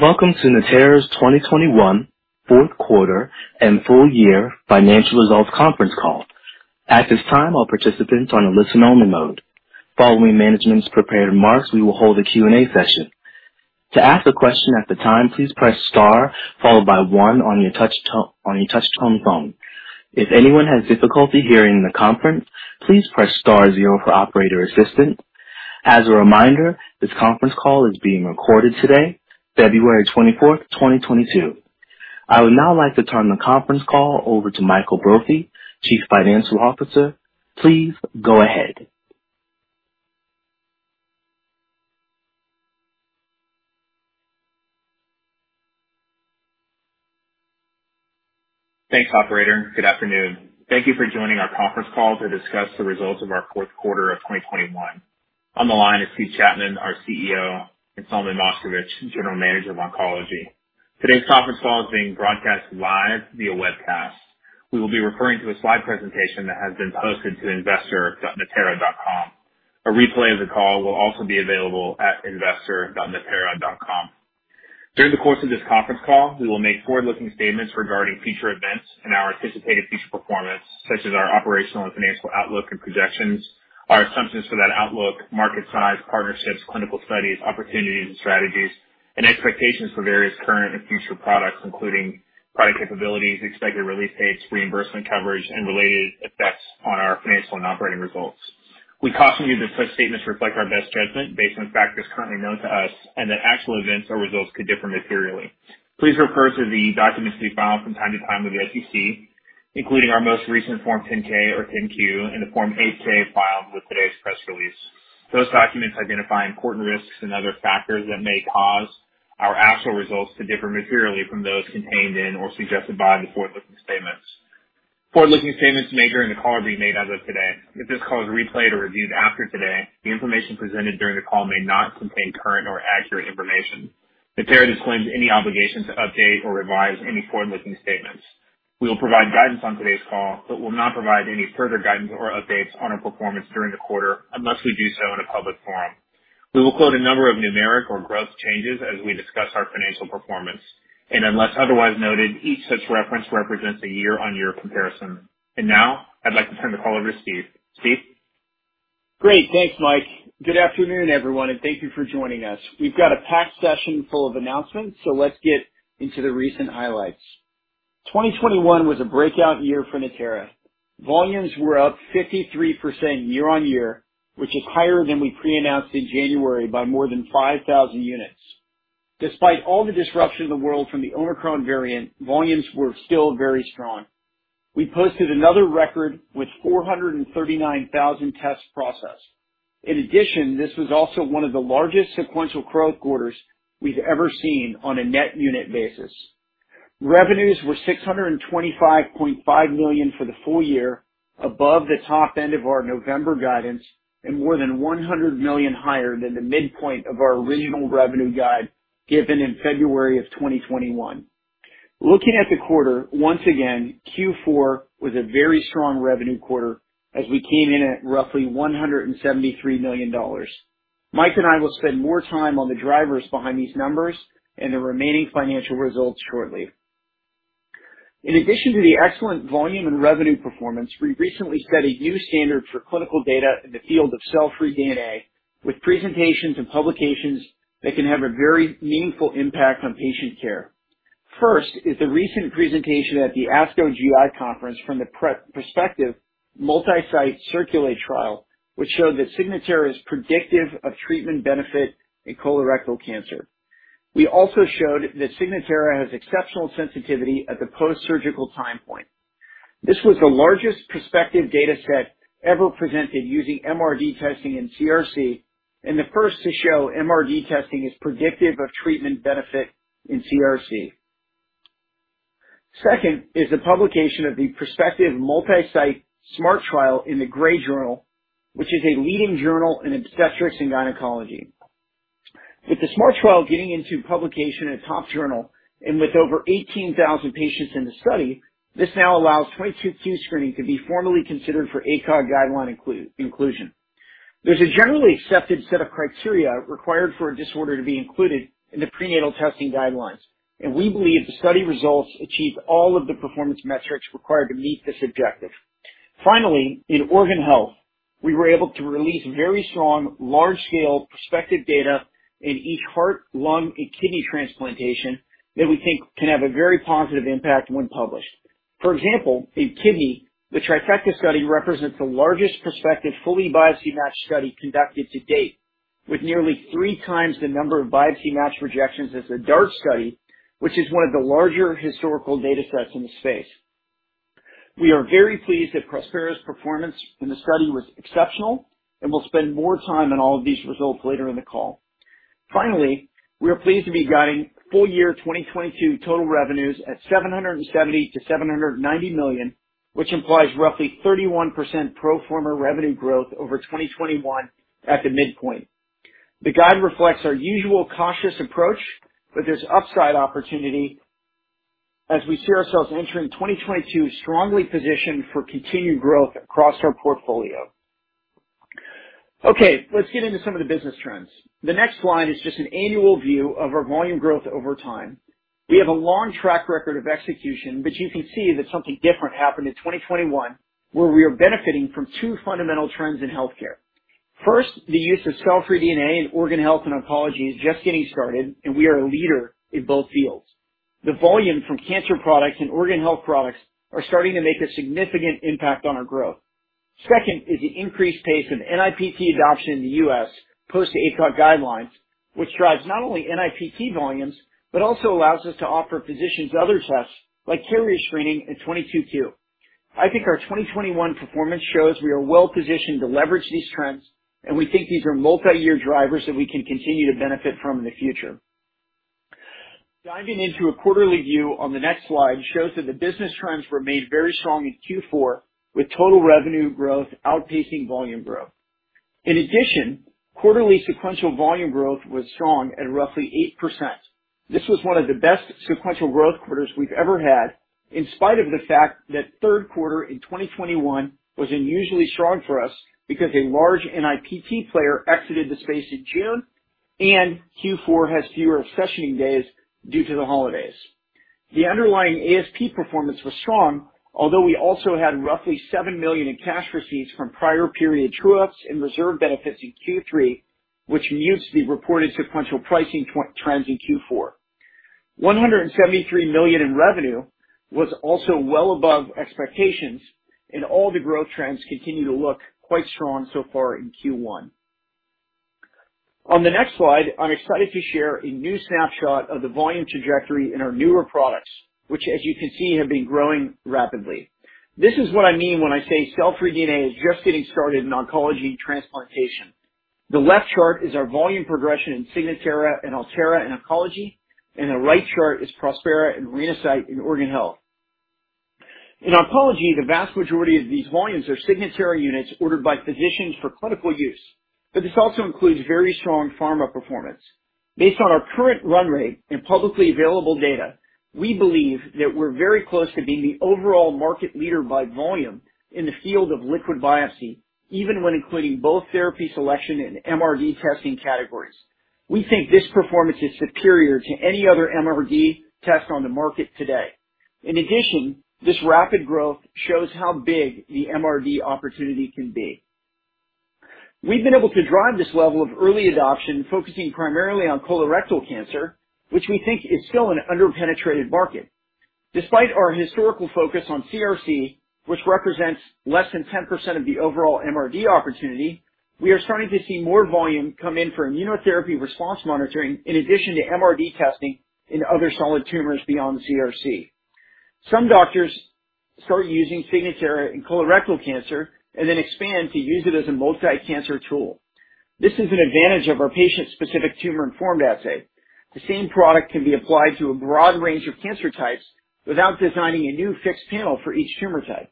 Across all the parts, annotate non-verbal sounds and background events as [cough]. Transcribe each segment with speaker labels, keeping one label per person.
Speaker 1: Welcome to Natera's 2021 fourth quarter and full year financial results conference call. At this time, all participants are on a listen-only mode. Following management's prepared remarks, we will hold a Q&A session. To ask a question at the time, please press star followed by one on your touchtone phone. If anyone has difficulty hearing the conference, please press star zero for operator assistance. As a reminder, this conference call is being recorded today, February 24, 2022. I would now like to turn the conference call over to Michael Brophy, Chief Financial Officer. Please go ahead.
Speaker 2: Thanks, operator. Good afternoon. Thank you for joining our conference call to discuss the results of our fourth quarter of 2021. On the line is Steve Chapman, our CEO, and Solomon Moshkevich, General Manager of Oncology. Today's conference call is being broadcast live via webcast. We will be referring to a slide presentation that has been posted to investor.natera.com. A replay of the call will also be available at investor.natera.com. During the course of this conference call, we will make forward-looking statements regarding future events and our anticipated future performance, such as our operational and financial outlook and projections, our assumptions for that outlook, market size, partnerships, clinical studies, opportunities and strategies, and expectations for various current and future products, including product capabilities, expected release dates, reimbursement coverage, and related effects on our financial and operating results. We caution you that such statements reflect our best judgment based on factors currently known to us, and that actual events or results could differ materially. Please refer to the documents we file from time to time with the SEC, including our most recent Form 10-K or 10-Q, and the Form 8-K filed with today's press release. Those documents identify important risks and other factors that may cause our actual results to differ materially from those contained in or suggested by the forward-looking statements. Forward-looking statements made during the call are being made as of today. If this call is replayed or reviewed after today, the information presented during the call may not contain current or accurate information. Natera disclaims any obligation to update or revise any forward-looking statements. We will provide guidance on today's call, but will not provide any further guidance or updates on our performance during the quarter unless we do so in a public forum. We will quote a number of numeric or growth changes as we discuss our financial performance, and unless otherwise noted, each such reference represents a year-on-year comparison. Now, I'd like to turn the call over to Steve. Steve?
Speaker 3: Great. Thanks, Mike. Good afternoon, everyone, and thank you for joining us. We've got a packed session full of announcements, so let's get into the recent highlights. 2021 was a breakout year for Natera. Volumes were up 53% year on year, which is higher than we pre-announced in January by more than 5,000 units. Despite all the disruption in the world from the Omicron variant, volumes were still very strong. We posted another record with 439,000 tests processed. In addition, this was also one of the largest sequential growth quarters we've ever seen on a net unit basis. Revenues were $625.5 million for the full year, above the top end of our November guidance and more than $100 million higher than the midpoint of our original revenue guide given in February of 2021. Looking at the quarter, once again, Q4 was a very strong revenue quarter as we came in at roughly $173 million. Mike and I will spend more time on the drivers behind these numbers and the remaining financial results shortly. In addition to the excellent volume and revenue performance, we recently set a new standard for clinical data in the field of cell-free DNA with presentations and publications that can have a very meaningful impact on patient care. First is the recent presentation at the ASCO GI conference from the prospective multi-site CIRCULATE trial, which showed that Signatera is predictive of treatment benefit in colorectal cancer. We also showed that Signatera has exceptional sensitivity at the post-surgical time point. This was the largest prospective dataset ever presented using MRD testing in CRC and the first to show MRD testing is predictive of treatment benefit in CRC. Second is the publication of the prospective multi-site SMART trial in the Gray Journal, which is a leading journal in obstetrics and gynecology. With the SMART trial getting into publication in a top journal, and with over 18,000 patients in the study, this now allows 22q screening to be formally considered for ACOG guideline inclusion. There's a generally accepted set of criteria required for a disorder to be included in the prenatal testing guidelines, and we believe the study results achieve all of the performance metrics required to meet this objective. Finally, in organ health, we were able to release very strong, large-scale prospective data in each heart, lung, and kidney transplantation that we think can have a very positive impact when published. For example, in kidney, the Trifecta study represents the largest prospective, fully biopsy-matched study conducted to date, with nearly three times the number of biopsy match rejections as the DART study, which is one of the larger historical datasets in the space. We are very pleased that Prospera's performance in the study was exceptional and will spend more time on all of these results later in the call. Finally, we are pleased to be guiding full year 2022 total revenues at $770 million-$790 million, which implies roughly 31% pro forma revenue growth over 2021 at the midpoint. The guide reflects our usual cautious approach, but there's upside opportunity. As we see ourselves entering 2022 strongly positioned for continued growth across our portfolio. Okay, let's get into some of the business trends. The next slide is just an annual view of our volume growth over time. We have a long track record of execution, but you can see that something different happened in 2021, where we are benefiting from two fundamental trends in healthcare. First, the use of cell-free DNA in organ health and oncology is just getting started, and we are a leader in both fields. The volume from cancer products and organ health products are starting to make a significant impact on our growth. Second is the increased pace of NIPT adoption in the U.S. post ACOG guidelines, which drives not only NIPT volumes, but also allows us to offer physicians other tests like carrier screening and 22q. I think our 2021 performance shows we are well-positioned to leverage these trends, and we think these are multi-year drivers that we can continue to benefit from in the future. Diving into a quarterly view on the next slide shows that the business trends remained very strong in Q4, with total revenue growth outpacing volume growth. In addition, quarterly sequential volume growth was strong at roughly 8%. This was one of the best sequential growth quarters we've ever had, in spite of the fact that third quarter in 2021 was unusually strong for us because a large NIPT player exited the space in June and Q4 has fewer accessioning days due to the holidays. The underlying ASP performance was strong, although we also had roughly $7 million in cash receipts from prior period true-ups and reserve benefits in Q3, which muted the reported sequential pricing trends in Q4. $173 million in revenue was also well above expectations, and all the growth trends continue to look quite strong so far in Q1. On the next slide, I'm excited to share a new snapshot of the volume trajectory in our newer products, which as you can see, have been growing rapidly. This is what I mean when I say cell-free DNA is just getting started in oncology and transplantation. The left chart is our volume progression in Signatera and Altera in oncology, and the right chart is Prospera and Renasight in organ health. In oncology, the vast majority of these volumes are Signatera units ordered by physicians for clinical use, but this also includes very strong pharma performance. Based on our current run rate and publicly available data, we believe that we're very close to being the overall market leader by volume in the field of liquid biopsy, even when including both therapy selection and MRD testing categories. We think this performance is superior to any other MRD test on the market today. In addition, this rapid growth shows how big the MRD opportunity can be. We've been able to drive this level of early adoption focusing primarily on colorectal cancer, which we think is still an under-penetrated market. Despite our historical focus on CRC, which represents less than 10% of the overall MRD opportunity, we are starting to see more volume come in for immunotherapy response monitoring, in addition to MRD testing in other solid tumors beyond CRC. Some doctors start using Signatera in colorectal cancer and then expand to use it as a multi-cancer tool. This is an advantage of our patient-specific tumor-informed assay. The same product can be applied to a broad range of cancer types without designing a new fixed panel for each tumor type.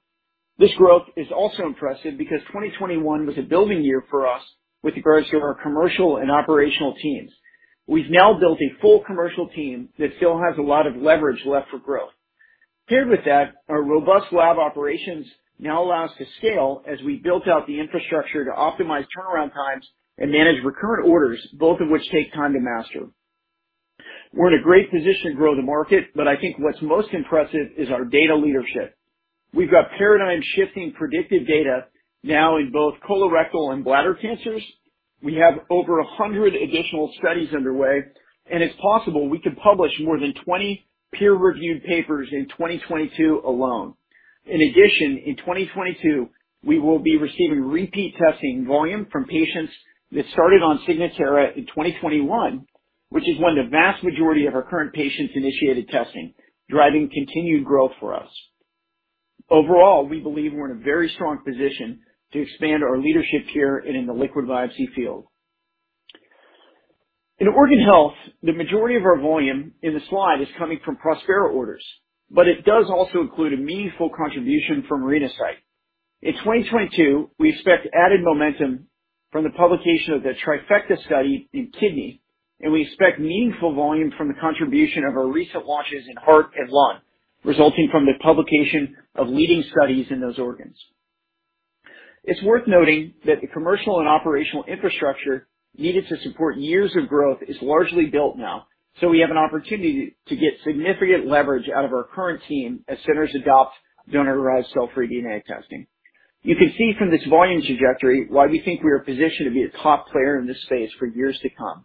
Speaker 3: This growth is also impressive because 2021 was a building year for us with regards to our commercial and operational teams. We've now built a full commercial team that still has a lot of leverage left for growth. Paired with that, our robust lab operations now allow us to scale as we built out the infrastructure to optimize turnaround times and manage recurrent orders, both of which take time to master. We're in a great position to grow the market, but I think what's most impressive is our data leadership. We've got paradigm-shifting predictive data now in both colorectal and bladder cancers. We have over 100 additional studies underway, and it's possible we could publish more than 20 peer-reviewed papers in 2022 alone. In addition, in 2022, we will be receiving repeat testing volume from patients that started on Signatera in 2021, which is when the vast majority of our current patients initiated testing, driving continued growth for us. Overall, we believe we're in a very strong position to expand our leadership here and in the liquid biopsy field. In organ health, the majority of our volume in the slide is coming from Prospera orders, but it does also include a meaningful contribution from Renasight. In 2022, we expect added momentum from the publication of the Trifecta study in kidney, and we expect meaningful volume from the contribution of our recent launches in heart and lung, resulting from the publication of leading studies in those organs. It's worth noting that the commercial and operational infrastructure needed to support years of growth is largely built now, so we have an opportunity to get significant leverage out of our current team as centers adopt donor-derived cell-free DNA testing. You can see from this volume trajectory why we think we are positioned to be a top player in this space for years to come.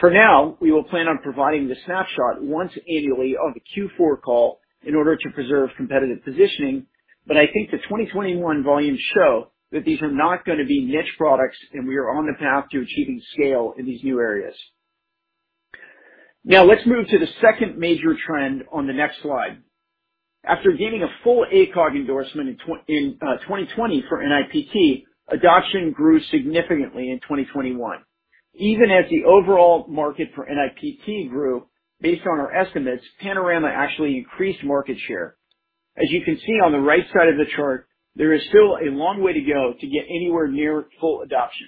Speaker 3: For now, we will plan on providing the snapshot once annually on the Q4 call in order to preserve competitive positioning, but I think the 2021 volumes show that these are not gonna be niche products and we are on the path to achieving scale in these new areas. Now, let's move to the second major trend on the next slide. After getting a full ACOG endorsement in 2020 for NIPT, adoption grew significantly in 2021. Even as the overall market for NIPT grew based on our estimates, Panorama actually increased market share. As you can see on the right side of the chart, there is still a long way to go to get anywhere near full adoption.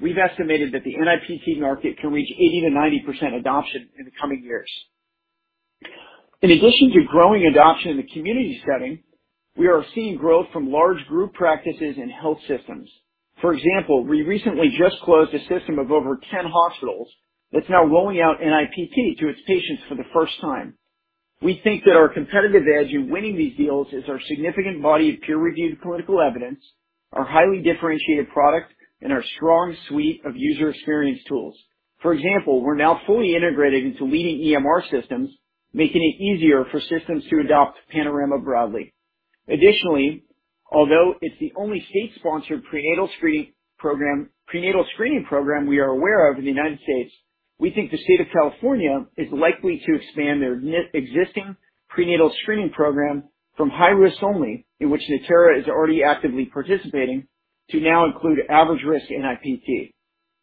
Speaker 3: We've estimated that the NIPT market can reach 80%-90% adoption in the coming years. In addition to growing adoption in the community setting, we are seeing growth from large group practices and health systems. For example, we recently just closed a system of over 10 hospitals that's now rolling out NIPT to its patients for the first time. We think that our competitive edge in winning these deals is our significant body of peer-reviewed clinical evidence, our highly differentiated product, and our strong suite of user experience tools. For example, we're now fully integrated into leading EMR systems, making it easier for systems to adopt Panorama broadly. Additionally, although it's the only state-sponsored prenatal screening program we are aware of in the United States, we think the state of California is likely to expand their existing prenatal screening program from high risk only, in which Natera is already actively participating, to now include average risk NIPT.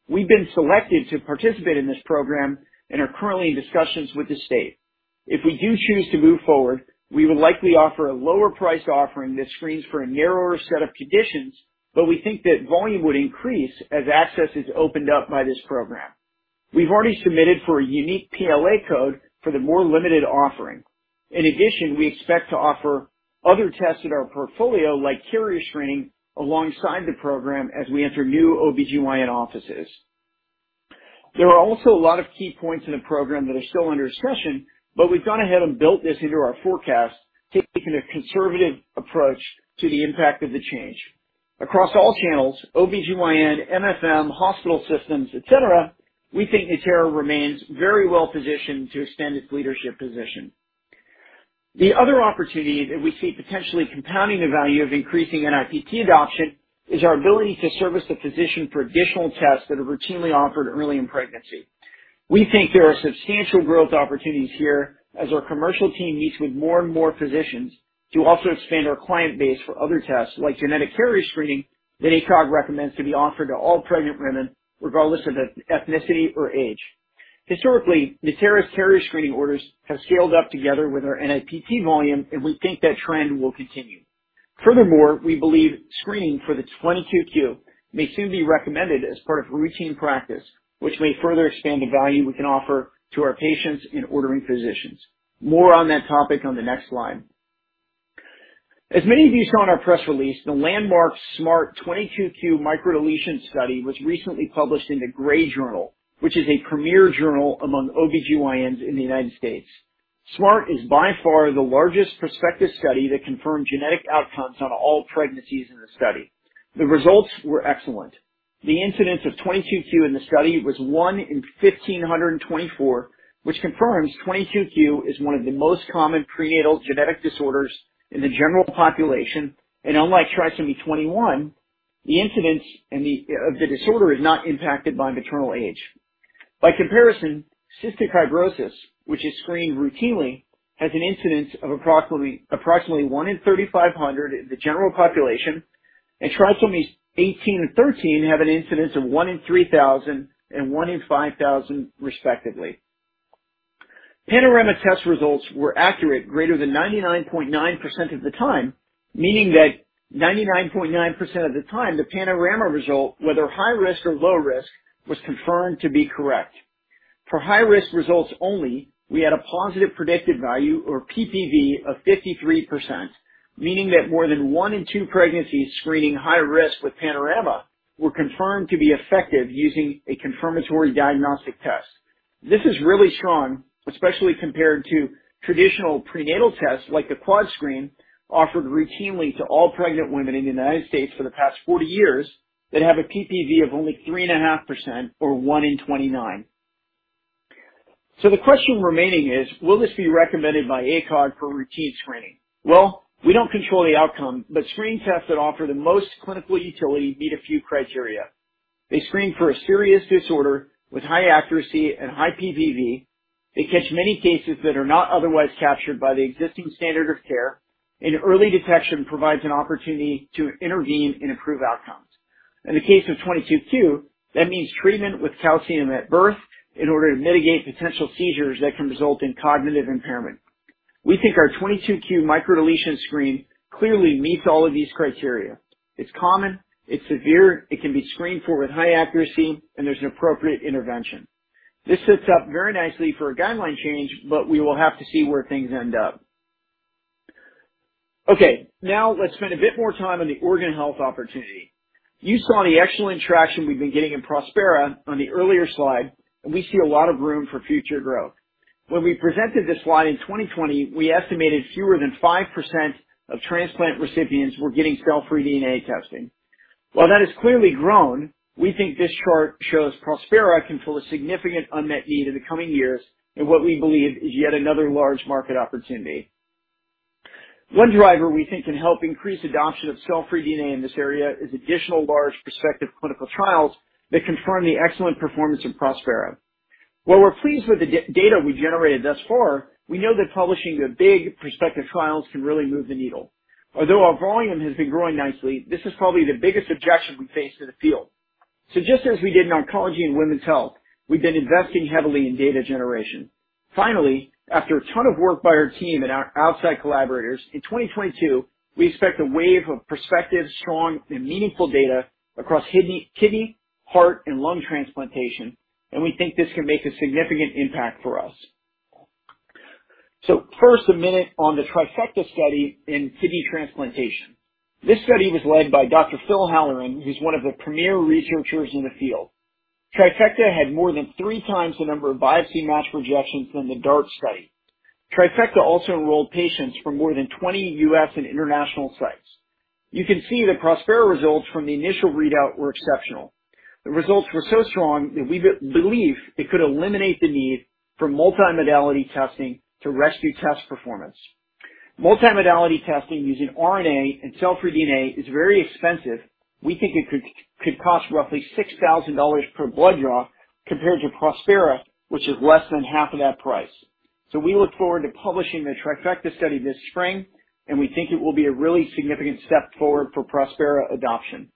Speaker 3: We've been selected to participate in this program and are currently in discussions with the state. If we do choose to move forward, we will likely offer a lower price offering that screens for a narrower set of conditions, but we think that volume would increase as access is opened up by this program. We've already submitted for a unique PLA code for the more limited offering. In addition, we expect to offer other tests in our portfolio, like carrier screening, alongside the program as we enter new OBGYN offices. There are also a lot of key points in the program that are still under discussion, but we've gone ahead and built this into our forecast, taking a conservative approach to the impact of the change. Across all channels, OBGYN, MFM, hospital systems, et cetera, we think Natera remains very well positioned to extend its leadership position. The other opportunity that we see potentially compounding the value of increasing NIPT adoption is our ability to service the physician for additional tests that are routinely offered early in pregnancy. We think there are substantial growth opportunities here as our commercial team meets with more and more physicians to also expand our client base for other tests, like genetic carrier screening, that ACOG recommends to be offered to all pregnant women, regardless of ethnicity or age. Historically, Natera's carrier screening orders have scaled up together with our NIPT volume, and we think that trend will continue. Furthermore, we believe screening for the 22q may soon be recommended as part of routine practice, which may further expand the value we can offer to our patients and ordering physicians. More on that topic on the next slide. As many of you saw in our press release, the landmark SMART 22q Microdeletion study was recently published in the Gray Journal, which is a premier journal among OBGYNs in the United States. SMART is by far the largest prospective study that confirmed genetic outcomes on all pregnancies in the study. The results were excellent. The incidence of 22q in the study was one in 1,524, which confirms 22q is one of the most common prenatal genetic disorders in the general population, and unlike trisomy 21, the incidence of the disorder is not impacted by maternal age. By comparison, cystic fibrosis, which is screened routinely, has an incidence of approximately one in 3,500 in the general population, and trisomies 18 and 13 have an incidence of one in 3,000 and one in 5,000 respectively. Panorama test results were accurate greater than 99.9% of the time, meaning that 99.9% of the time, the Panorama result, whether high risk or low risk, was confirmed to be correct. For high risk results only, we had a positive predictive value or PPV of 53%, meaning that more than one in two pregnancies screening high risk with Panorama were confirmed to be effective using a confirmatory diagnostic test. This is really strong, especially compared to traditional prenatal tests like the Quad Screen, offered routinely to all pregnant women in the United States for the past 40 years that have a PPV of only 3.5% or one in 29. The question remaining is, will this be recommended by ACOG for routine screening? Well, we don't control the outcome, but screening tests that offer the most clinical utility meet a few criteria. They screen for a serious disorder with high accuracy and high PPV. They catch many cases that are not otherwise captured by the existing standard of care. Early detection provides an opportunity to intervene and improve outcomes. In the case of 22q, that means treatment with calcium at birth in order to mitigate potential seizures that can result in cognitive impairment. We think our 22q microdeletion screen clearly meets all of these criteria. It's common, it's severe, it can be screened for with high accuracy, and there's an appropriate intervention. This sets up very nicely for a guideline change, but we will have to see where things end up. Okay, now let's spend a bit more time on the organ health opportunity. You saw the excellent traction we've been getting in Prospera on the earlier slide, and we see a lot of room for future growth. When we presented this slide in 2020, we estimated fewer than 5% of transplant recipients were getting cell-free DNA testing. While that has clearly grown, we think this chart shows Prospera can fill a significant unmet need in the coming years in what we believe is yet another large market opportunity. One driver we think can help increase adoption of cell-free DNA in this area is additional large prospective clinical trials that confirm the excellent performance of Prospera. While we're pleased with the data we generated thus far, we know that publishing the big prospective trials can really move the needle. Although our volume has been growing nicely, this is probably the biggest objection we face to the field. Just as we did in oncology and women's health, we've been investing heavily in data generation. Finally, after a ton of work by our team and our outside collaborators, in 2022, we expect a wave of prospective, strong, and meaningful data across kidney, heart, and lung transplantation, and we think this can make a significant impact for us. First, a minute on the Trifecta study in kidney transplantation. This study was led by Dr. Phil Halloran, who's one of the premier researchers in the field. Trifecta had more than three times the number of biopsy match rejections than the DART study. Trifecta also enrolled patients from more than 20 U.S. and international sites. You can see the Prospera results from the initial readout were exceptional. The results were so strong that we believe it could eliminate the need for multimodality testing to rescue test performance. Multimodality testing using RNA and cell-free DNA is very expensive. We think it could cost roughly $6,000 per blood draw compared to Prospera, which is less than half of that price. We look forward to publishing the Trifecta study this spring, and we think it will be a really significant step forward for Prospera adoption.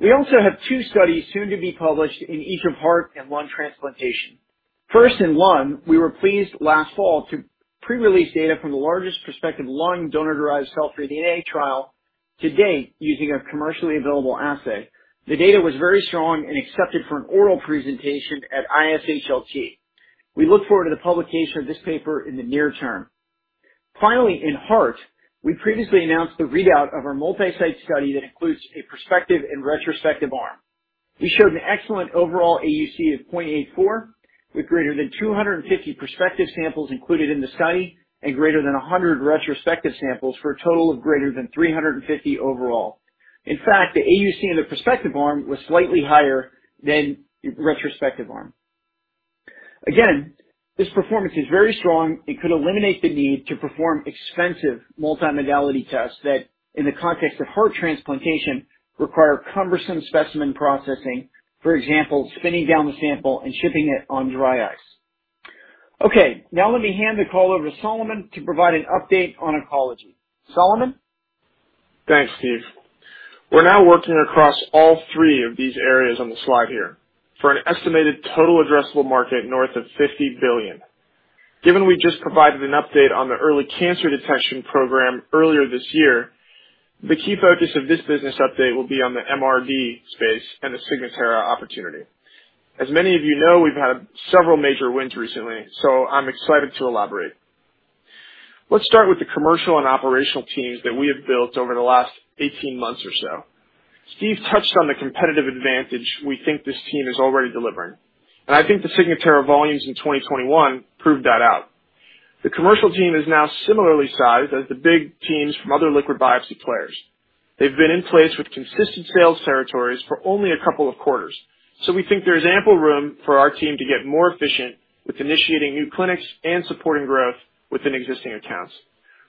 Speaker 3: We also have two studies soon to be published in each of heart and lung transplantation. First, in lung, we were pleased last fall to pre-release data from the largest prospective lung donor-derived cell-free DNA trial to date using a commercially available assay. The data was very strong and accepted for an oral presentation at ISHLT. We look forward to the publication of this paper in the near term. Finally, in heart, we previously announced the readout of our multi-site study that includes a prospective and retrospective arm. We showed an excellent overall AUC of 0.84, with greater than 250 prospective samples included in the study and greater than 100 retrospective samples for a total of greater than 350 overall. In fact, the AUC in the prospective arm was slightly higher than the retrospective arm. Again, this performance is very strong and could eliminate the need to perform expensive multimodality tests that, in the context of heart transplantation, require cumbersome specimen processing, for example, spinning down the sample and shipping it on dry ice. Okay, now let me hand the call over to Solomon to provide an update on oncology. Solomon?
Speaker 4: Thanks, Steve. We're now working across all three of these areas on the slide here for an estimated total addressable market north of $50 billion. Given we just provided an update on the early cancer detection program earlier this year, the key focus of this business update will be on the MRD space and the Signatera opportunity. As many of you know, we've had several major wins recently, so I'm excited to elaborate. Let's start with the commercial and operational teams that we have built over the last 18 months or so. Steve touched on the competitive advantage we think this team is already delivering, and I think the Signatera volumes in 2021 proved that out. The commercial team is now similarly sized as the big teams from other liquid biopsy players. They've been in place with consistent sales territories for only a couple of quarters, so we think there's ample room for our team to get more efficient with initiating new clinics and supporting growth within existing accounts.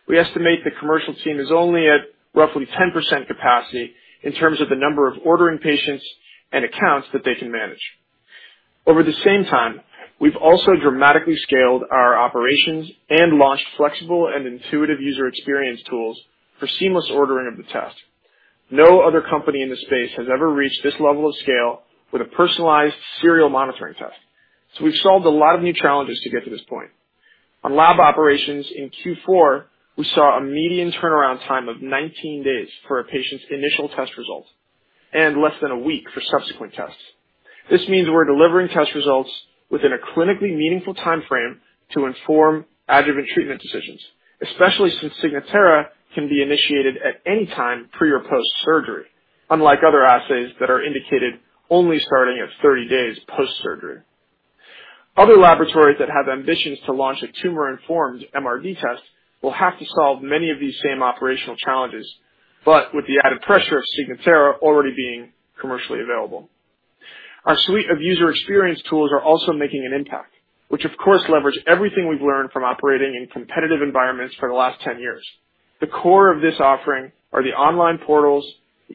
Speaker 4: We estimate the commercial team is only at roughly 10% capacity in terms of the number of ordering patients and accounts that they can manage. Over the same time, we've also dramatically scaled our operations and launched flexible and intuitive user experience tools for seamless ordering of the test. No other company in this space has ever reached this level of scale with a personalized serial monitoring test. We've solved a lot of new challenges to get to this point. On lab operations in Q4, we saw a median turnaround time of 19 days for a patient's initial test result and less than a week for subsequent tests. This means we're delivering test results within a clinically meaningful timeframe to inform adjuvant treatment decisions, especially since Signatera can be initiated at any time pre or post-surgery, unlike other assays that are indicated only starting at 30 days post-surgery. Other laboratories that have ambitions to launch a tumor-informed MRD test will have to solve many of these same operational challenges, but with the added pressure of Signatera already being commercially available. Our suite of user experience tools are also making an impact, which of course leverage everything we've learned from operating in competitive environments for the last 10 years. The core of this offering are the online portals,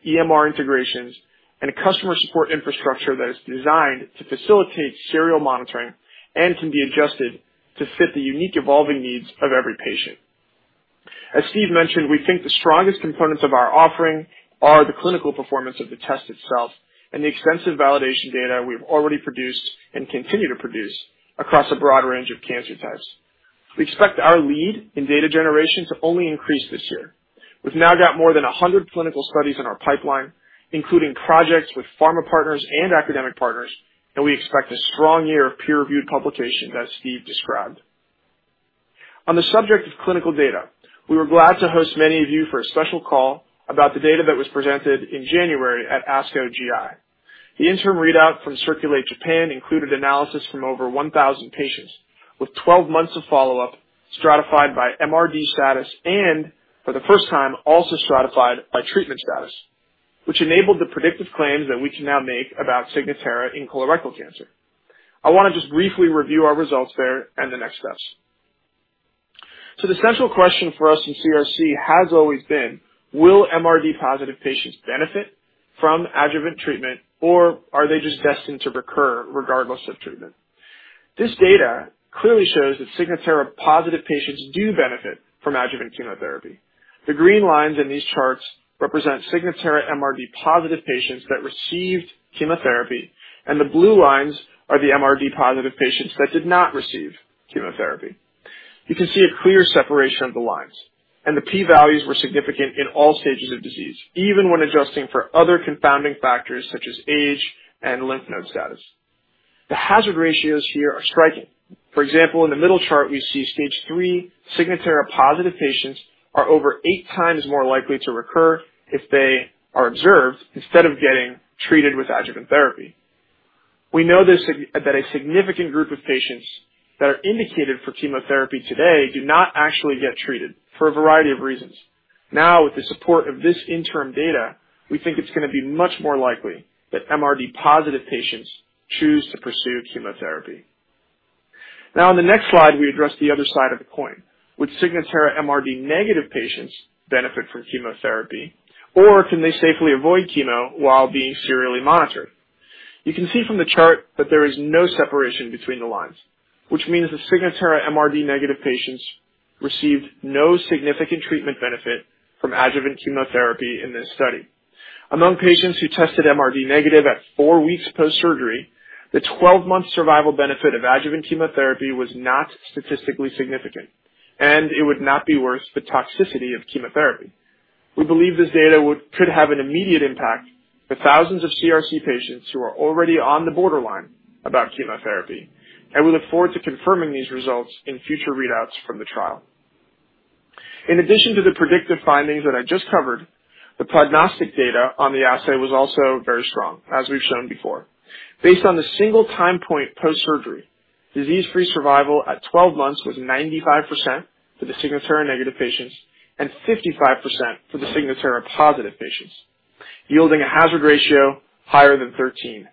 Speaker 4: EMR integrations, and a customer support infrastructure that is designed to facilitate serial monitoring and can be adjusted to fit the unique evolving needs of every patient. As Steve mentioned, we think the strongest components of our offering are the clinical performance of the test itself and the extensive validation data we've already produced and continue to produce across a broad range of cancer types. We expect our lead in data generation to only increase this year. We've now got more than 100 clinical studies in our pipeline, including projects with pharma partners and academic partners, and we expect a strong year of peer-reviewed publication, as Steve described. On the subject of clinical data, we were glad to host many of you for a special call about the data that was presented in January at ASCO GI. The interim readout from CIRCULATE-Japan included analysis from over 1,000 patients with 12 months of follow-up stratified by MRD status and, for the first time, also stratified by treatment status, which enabled the predictive claims that we can now make about Signatera in colorectal cancer. I wanna just briefly review our results there and the next steps. The central question for us in CRC has always been: Will MRD positive patients benefit from adjuvant treatment or are they just destined to recur regardless of treatment? This data clearly shows that Signatera positive patients do benefit from adjuvant chemotherapy. The green lines in these charts represent Signatera MRD positive patients that received chemotherapy, and the blue lines are the MRD positive patients that did not receive chemotherapy. You can see a clear separation of the lines, and the P values were significant in all stages of disease, even when adjusting for other confounding factors such as age and lymph node status. The hazard ratios here are striking. For example, in the middle chart, we see stage III Signatera positive patients are over eight times more likely to recur if they are observed instead of getting treated with adjuvant therapy. We know this, that a significant group of patients that are indicated for chemotherapy today do not actually get treated for a variety of reasons. Now, with the support of this interim data, we think it's gonna be much more likely that MRD positive patients choose to pursue chemotherapy. Now on the next slide, we address the other side of the coin. Would Signatera MRD negative patients benefit from chemotherapy, or can they safely avoid chemo while being serially monitored? You can see from the chart that there is no separation between the lines, which means the Signatera MRD negative patients received no significant treatment benefit from adjuvant chemotherapy in this study. Among patients who tested MRD negative at four weeks post-surgery, the 12-month survival benefit of adjuvant chemotherapy was not statistically significant, and it would not be worth the toxicity of chemotherapy. We believe this data could have an immediate impact for thousands of CRC patients who are already on the borderline about chemotherapy, and we look forward to confirming these results in future readouts from the trial. In addition to the predictive findings that I just covered, the prognostic data on the assay was also very strong, as we've shown before. Based on the single time point post-surgery, disease-free survival at 12 months was 95% for the Signatera negative patients and 55% for the Signatera positive patients, yielding a hazard ratio higher than 13.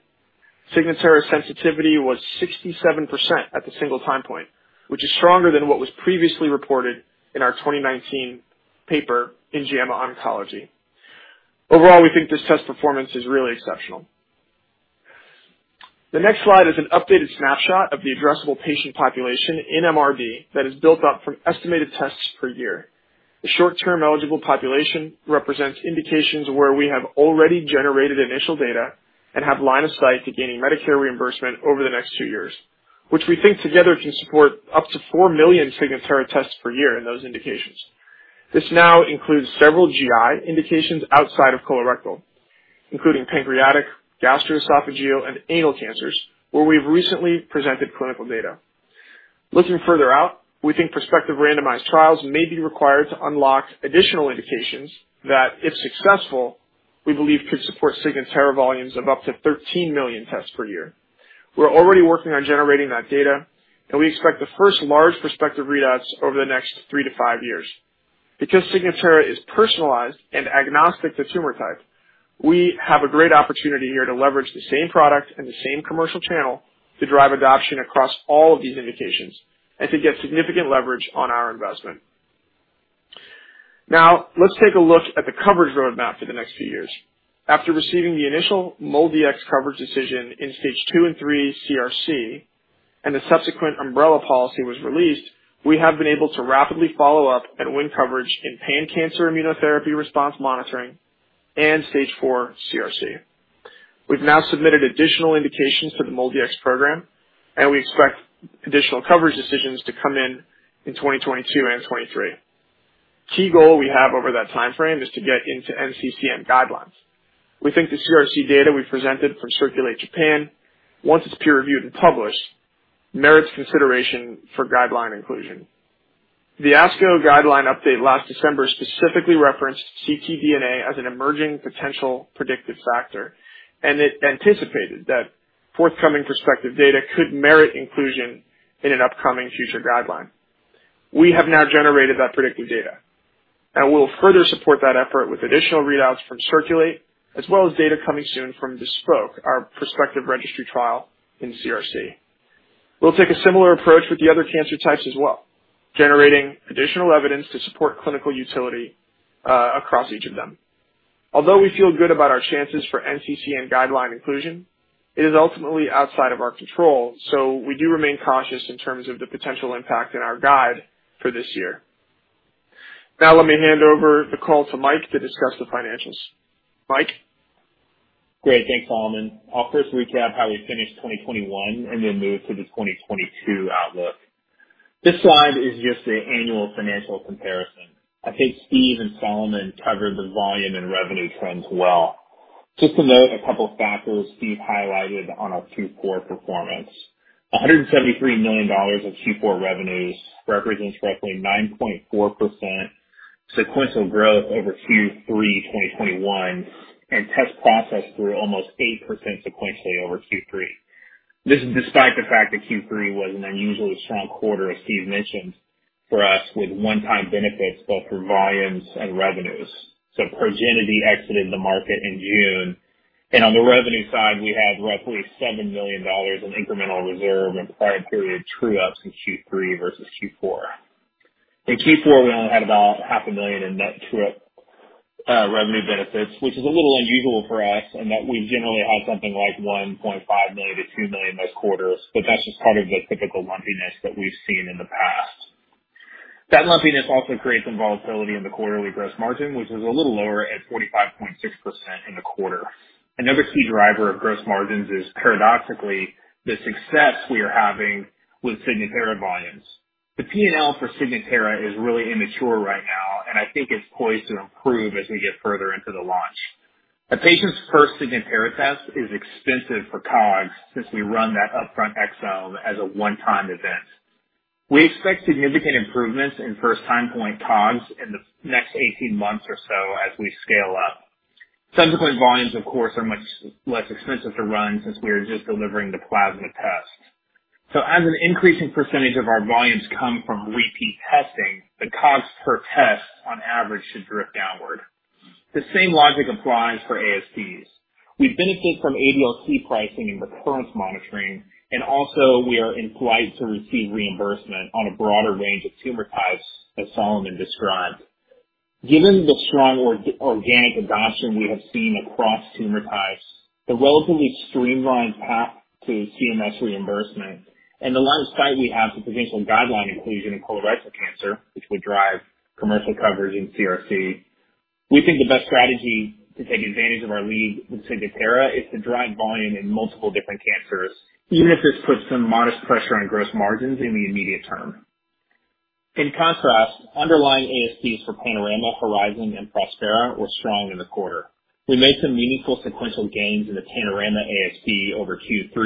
Speaker 4: Signatera sensitivity was 67% at the single time point, which is stronger than what was previously reported in our 2019 paper in JAMA Oncology. Overall, we think this test performance is really exceptional. The next slide is an updated snapshot of the addressable patient population in MRD that is built up from estimated tests per year. The short-term eligible population represents indications where we have already generated initial data and have line of sight to gaining Medicare reimbursement over the next two years, which we think together can support up to 4,000,000 Signatera tests per year in those indications. This now includes several GI indications outside of colorectal, including pancreatic, gastroesophageal, and anal cancers, where we've recently presented clinical data. Looking further out, we think prospective randomized trials may be required to unlock additional indications that, if successful, we believe could support Signatera volumes of up to 13,000,0000 tests per year. We're already working on generating that data, and we expect the first large prospective readouts over the next three to five years. Because Signatera is personalized and agnostic to tumor type, we have a great opportunity here to leverage the same product and the same commercial channel to drive adoption across all of these indications and to get significant leverage on our investment. Now, let's take a look at the coverage roadmap for the next few years. After receiving the initial MolDX coverage decision in stage II and III CRC and the subsequent umbrella policy was released, we have been able to rapidly follow up and win coverage in pan-cancer immunotherapy response monitoring and stage IV CRC. We've now submitted additional indications for the MolDX program, and we expect additional coverage decisions to come in in 2022 and 2023. Key goal we have over that timeframe is to get into NCCN guidelines. We think the CRC data we presented from CIRCULATE-Japan, once it's peer-reviewed and published, merits consideration for guideline inclusion. The ASCO guideline update last December specifically referenced ctDNA as an emerging potential predictive factor, and it anticipated that forthcoming prospective data could merit inclusion in an upcoming future guideline. We have now generated that predictive data, and we'll further support that effort with additional readouts from CIRCULATE, as well as data coming soon from BESPOKE, our prospective registry trial in CRC. We'll take a similar approach with the other cancer types as well, generating additional evidence to support clinical utility across each of them. Although we feel good about our chances for NCCN guideline inclusion, it is ultimately outside of our control, so we do remain cautious in terms of the potential impact in our guide for this year. Now let me hand over the call to Mike to discuss the financials. Mike?
Speaker 2: Great. Thanks, Solomon. I'll first recap how we finished 2021 and then move to the 2022 outlook. This slide is just an annual financial comparison. I think Steve and Solomon covered the volume and revenue trends well. Just to note a couple of factors Steve highlighted on our Q4 performance. $173 million in Q4 revenues represents roughly 9.4% sequential growth over Q3 2021, and tests processed grew almost 8% sequentially over Q3. This is despite the fact that Q3 was an unusually strong quarter, as Steve mentioned, for us with one-time benefits both for volumes and revenues. Progenity exited the market in June. On the revenue side, we had roughly $7 million in incremental reserve and prior period true-ups in Q3 versus Q4. In Q4, we only had about half a million in net true-up, revenue benefits, which is a little unusual for us in that we generally add something like $1.5 million-$2 million most quarters, but that's just part of the typical lumpiness that we've seen in the past. That lumpiness also creates some volatility in the quarterly gross margin, which is a little lower at 45.6% in the quarter. Another key driver of gross margins is, paradoxically, the success we are having with Signatera volumes. The P&L for Signatera is really immature right now, and I think it's poised to improve as we get further into the launch. A patient's first Signatera test is expensive for COGS, since we run that upfront exome as a one-time event. We expect significant improvements in first-time point COGS in the next 18 months or so as we scale up. Subsequent volumes, of course, are much less expensive to run since we are just delivering the plasma test. As an increasing percentage of our volumes come from repeat testing, the cost per test on average should drift downward. The same logic applies for ASTs. We benefit from ADLT pricing and recurrence monitoring, and also we are in flight to receive reimbursement on a broader range of tumor types, as Solomon described. Given the strong organic adoption we have seen across tumor types, the relatively streamlined path to CMS reimbursement and the line of sight we have to potential guideline inclusion in colorectal cancer, which would drive commercial coverage in CRC, we think the best strategy to take advantage of our lead with Signatera is to drive volume in multiple different cancers, even if this puts some modest pressure on gross margins in the immediate term. In contrast, underlying ASPs for Panorama, Horizon, and Prospera were strong in the quarter. We made some meaningful sequential gains in the Panorama ASP over Q3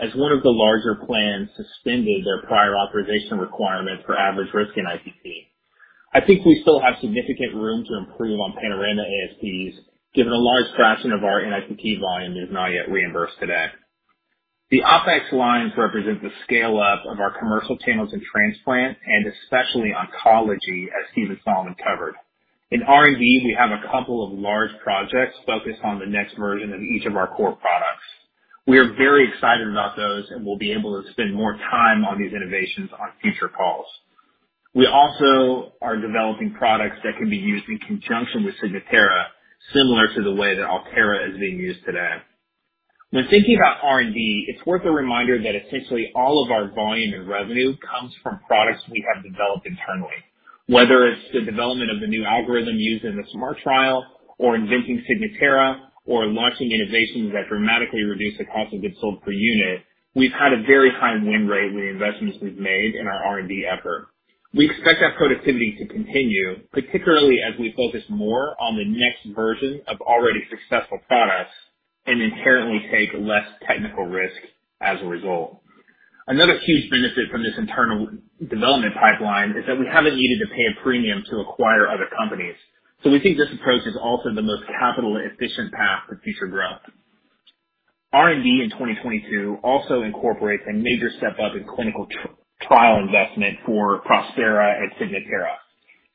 Speaker 2: as one of the larger plans suspended their prior authorization requirement for average-risk NIPT. I think we still have significant room to improve on Panorama ASPs, given a large fraction of our NIPT volume is not yet reimbursed today. The OpEx lines represent the scale-up of our commercial channels in transplant and especially oncology, as Steve and Solomon covered. In R&D, we have a couple of large projects focused on the next version of each of our core products. We are very excited about those and will be able to spend more time on these innovations on future calls. We also are developing products that can be used in conjunction with Signatera, similar to the way that Altera is being used today. When thinking about R&D, it's worth a reminder that essentially all of our volume and revenue comes from products we have developed internally. Whether it's the development of the new algorithm used in the SMART trial or inventing Signatera or launching innovations that dramatically reduce the cost of goods sold per unit, we've had a very high win rate with the investments we've made in our R&D effort. We expect that productivity to continue, particularly as we focus more on the next version of already successful products and inherently take less technical risk as a result. Another huge benefit from this internal development pipeline is that we haven't needed to pay a premium to acquire other companies. We think this approach is also the most capital-efficient path to future growth. R&D in 2022 also incorporates a major step up in clinical trial investment for Prospera and Signatera.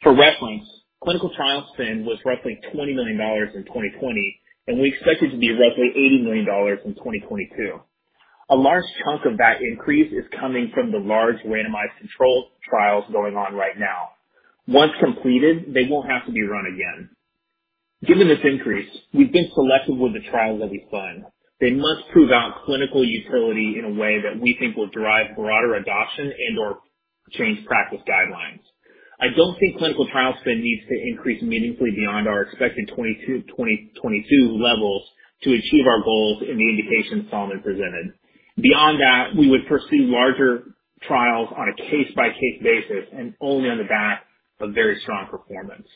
Speaker 2: For reference, clinical trial spend was roughly $20 million in 2020, and we expect it to be roughly $80 million in 2022. A large chunk of that increase is coming from the large randomized control trials going on right now. Once completed, they won't have to be run again. Given this increase, we've been selective with the trials that we fund. They must prove out clinical utility in a way that we think will drive broader adoption and/or change practice guidelines. I don't think clinical trial spend needs to increase meaningfully beyond our expected 2022 levels to achieve our goals in the indications Solomon presented. Beyond that, we would pursue larger trials on a case-by-case basis and only on the back of very strong performance.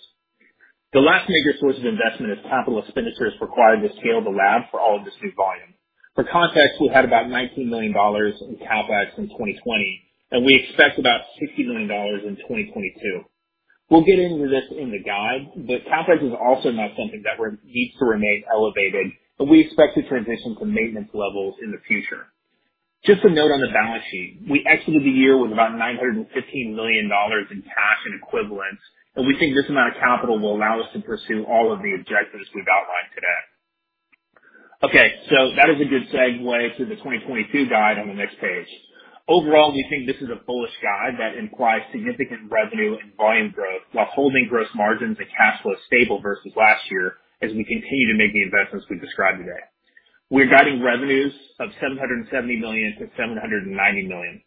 Speaker 2: The last major source of investment is capital expenditures required to scale the lab for all of this new volume. For context, we had about $19 million in CapEx in 2020, and we expect about $60 million in 2022. We'll get into this in the guide, but CapEx is also not something that needs to remain elevated, and we expect to transition to maintenance levels in the future. Just a note on the balance sheet, we exited the year with about $915 million in cash and equivalents, and we think this amount of capital will allow us to pursue all of the objectives we've outlined today. Okay, that is a good segue to the 2022 guide on the next page. Overall, we think this is a bullish guide that implies significant revenue and volume growth while holding gross margins and cash flow stable versus last year as we continue to make the investments we described today. We're guiding revenues of $770 million-$790 million.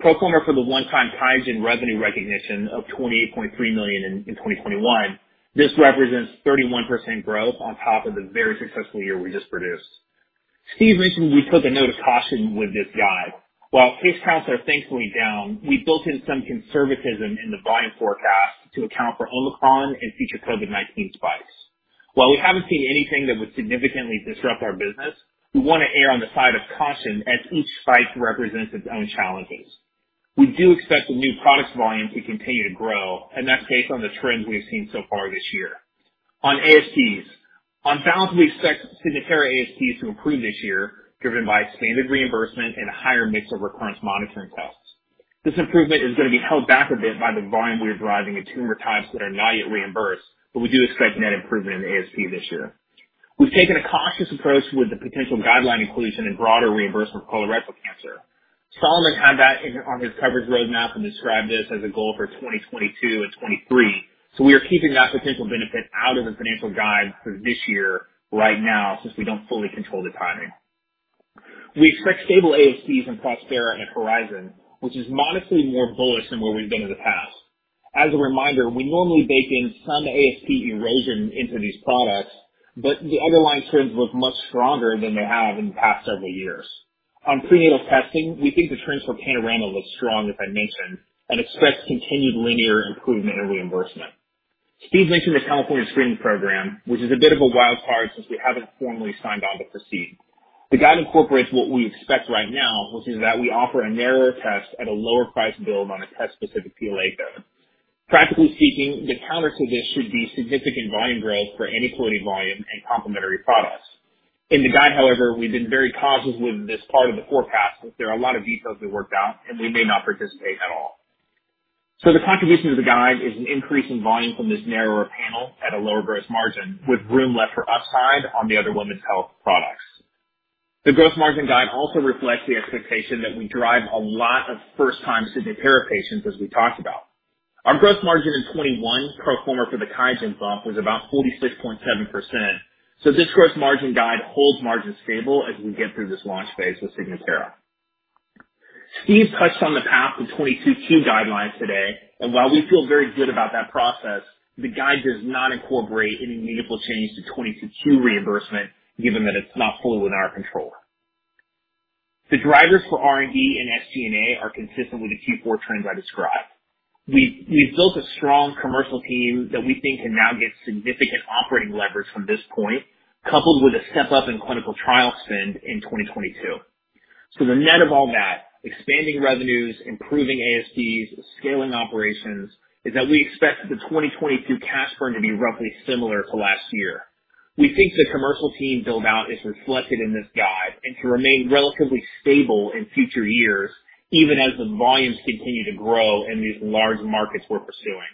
Speaker 2: Pro forma for the one-time Kaisen revenue recognition of $28.3 million in 2021, this represents 31% growth on top of the very successful year we just produced. Steve mentioned we put the note of caution with this guide. While case counts are thankfully down, we built in some conservatism in the volume forecast to account for Omicron and future COVID-19 spikes. While we haven't seen anything that would significantly disrupt our business, we wanna err on the side of caution as each spike represents its own challenges. We do expect the new products volume to continue to grow, and that's based on the trends we have seen so far this year. On ASPs, on balance, we expect Signatera ASPs to improve this year, driven by standard reimbursement and a higher mix of recurrence monitoring costs. This improvement is gonna be held back a bit by the volume we are driving in tumor types that are not yet reimbursed, but we do expect net improvement in ASP this year. We've taken a cautious approach with the potential guideline inclusion and broader reimbursement for colorectal cancer. Solomon had that in, on his coverage roadmap and described this as a goal for 2022 and 2023. We are keeping that potential benefit out of the financial guide for this year right now, since we don't fully control the timing. We expect stable ASPs in Prospera and Horizon, which is modestly more bullish than where we've been in the past. As a reminder, we normally bake in some ASP erosion into these products, but the underlying trends look much stronger than they have in the past several years. On prenatal testing, we think the trends for Panorama look strong, as I mentioned, and expect continued linear improvement in reimbursement. Steve mentioned the California screening program, which is a bit of a wild card since we haven't formally signed on to proceed. The guide incorporates what we expect right now, which is that we offer a narrower test at a lower price built on a test-specific PLA code. Practically speaking, the counter to this should be significant volume growth for any quoted volume and complementary products. In the guide, however, we've been very cautious with this part of the forecast, since there are a lot of details to be worked out, and we may not participate at all. The contribution to the guide is an increase in volume from this narrower panel at a lower gross margin, with room left for upside on the other women's health products. The gross margin guide also reflects the expectation that we drive a lot of first-time Signatera patients, as we talked about. Our gross margin in 2021, pro forma for the Kaisen bump, was about 46.7%. This gross margin guide holds margins stable as we get through this launch phase with Signatera. Steve touched on the path to 2022 guidelines today, and while we feel very good about that process, the guide does not incorporate any meaningful change to 2022 reimbursement, given that it's not fully within our control. The drivers for R&D and SG&A are consistent with the Q4 trends I described. We've built a strong commercial team that we think can now get significant operating leverage from this point, coupled with a step up in clinical trial spend in 2022. The net of all that, expanding revenues, improving ASPs, scaling operations, is that we expect the 2022 cash burn to be roughly similar to last year. We think the commercial team build-out is reflected in this guide and should remain relatively stable in future years, even as the volumes continue to grow in these large markets we're pursuing.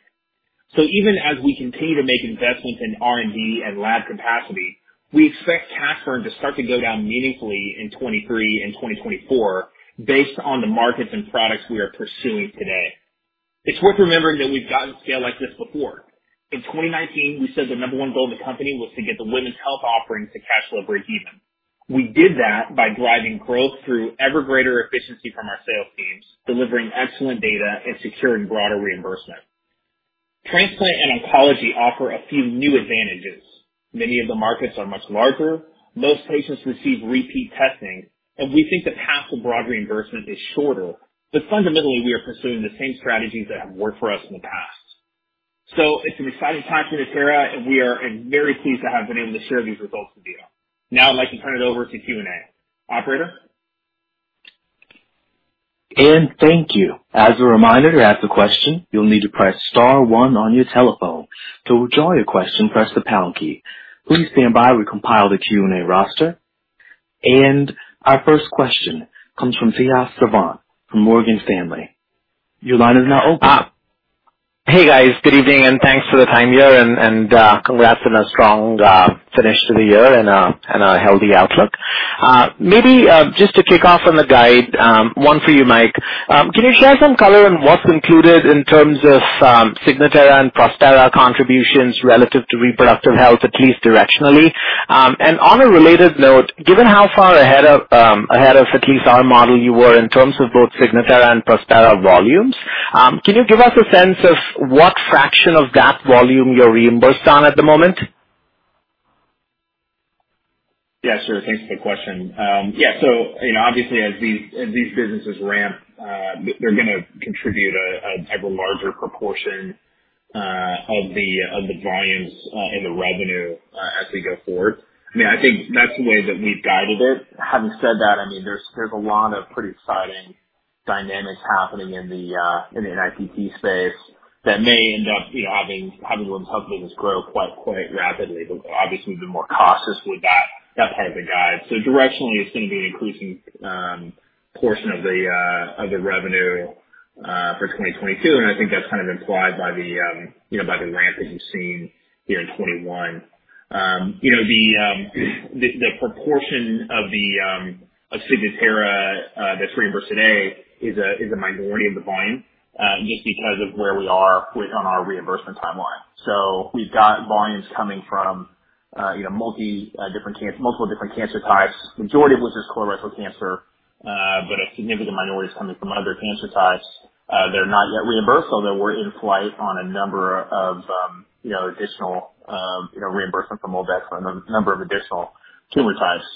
Speaker 2: Even as we continue to make investments in R&D and lab capacity, we expect cash burn to start to go down meaningfully in 2023 and 2024 based on the markets and products we are pursuing today. It's worth remembering that we've gotten scale like this before. In 2019, we said the number one goal of the company was to get the women's health offering to cash flow even. We did that by driving growth through ever greater efficiency from our sales teams, delivering excellent data, and securing broader reimbursement. Transplant and oncology offer a few new advantages. Many of the markets are much larger. Most patients receive repeat testing. We think the path to broad reimbursement is shorter. Fundamentally, we are pursuing the same strategies that have worked for us in the past. It's an exciting time for Natera, and we are very pleased to have been able to share these results with you. Now I'd like to turn it over to Q&A. Operator?
Speaker 1: Thank you. As a reminder, to ask a question, you'll need to press star one on your telephone. To withdraw your question, press the pound key. Please stand by. We compile the Q&A roster. Our first question comes from Tejas Savant from Morgan Stanley. Your line is now open.
Speaker 5: Hey guys, good evening, and thanks for the time here and congrats on a strong finish to the year and a healthy outlook. Maybe just to kick off on the guide, one for you, Mike. Can you share some color on what's included in terms of Signatera and Prospera contributions relative to reproductive health, at least directionally? On a related note, given how far ahead of at least our model you were in terms of both Signatera and Prospera volumes, can you give us a sense of what fraction of that volume you're reimbursed on at the moment?
Speaker 2: Yeah, sure. Thanks for the question. Yeah. You know, obviously as these businesses ramp, they're gonna contribute an ever larger proportion of the volumes and the revenue as we go forward. I mean, I think that's the way that we've guided it. Having said that, I mean, there's a lot of pretty exciting dynamics happening in the NIPT space that may end up, you know, having women's health business grow quite rapidly. Obviously we've been more cautious with that type of guide. Directionally, it's gonna be an increasing portion of the revenue for 2022, and I think that's kind of implied by the, you know, by the ramp that you've seen here in 2021. You know, the proportion of Signatera that's reimbursed today is a minority of the volume, just because of where we are on our reimbursement timeline. We've got volumes coming from you know multiple different cancer types, majority of which is colorectal cancer, but a significant minority is coming from other cancer types. They're not yet reimbursed, although we're in flight on a number of additional reimbursement from all that, on a number of additional tumor types.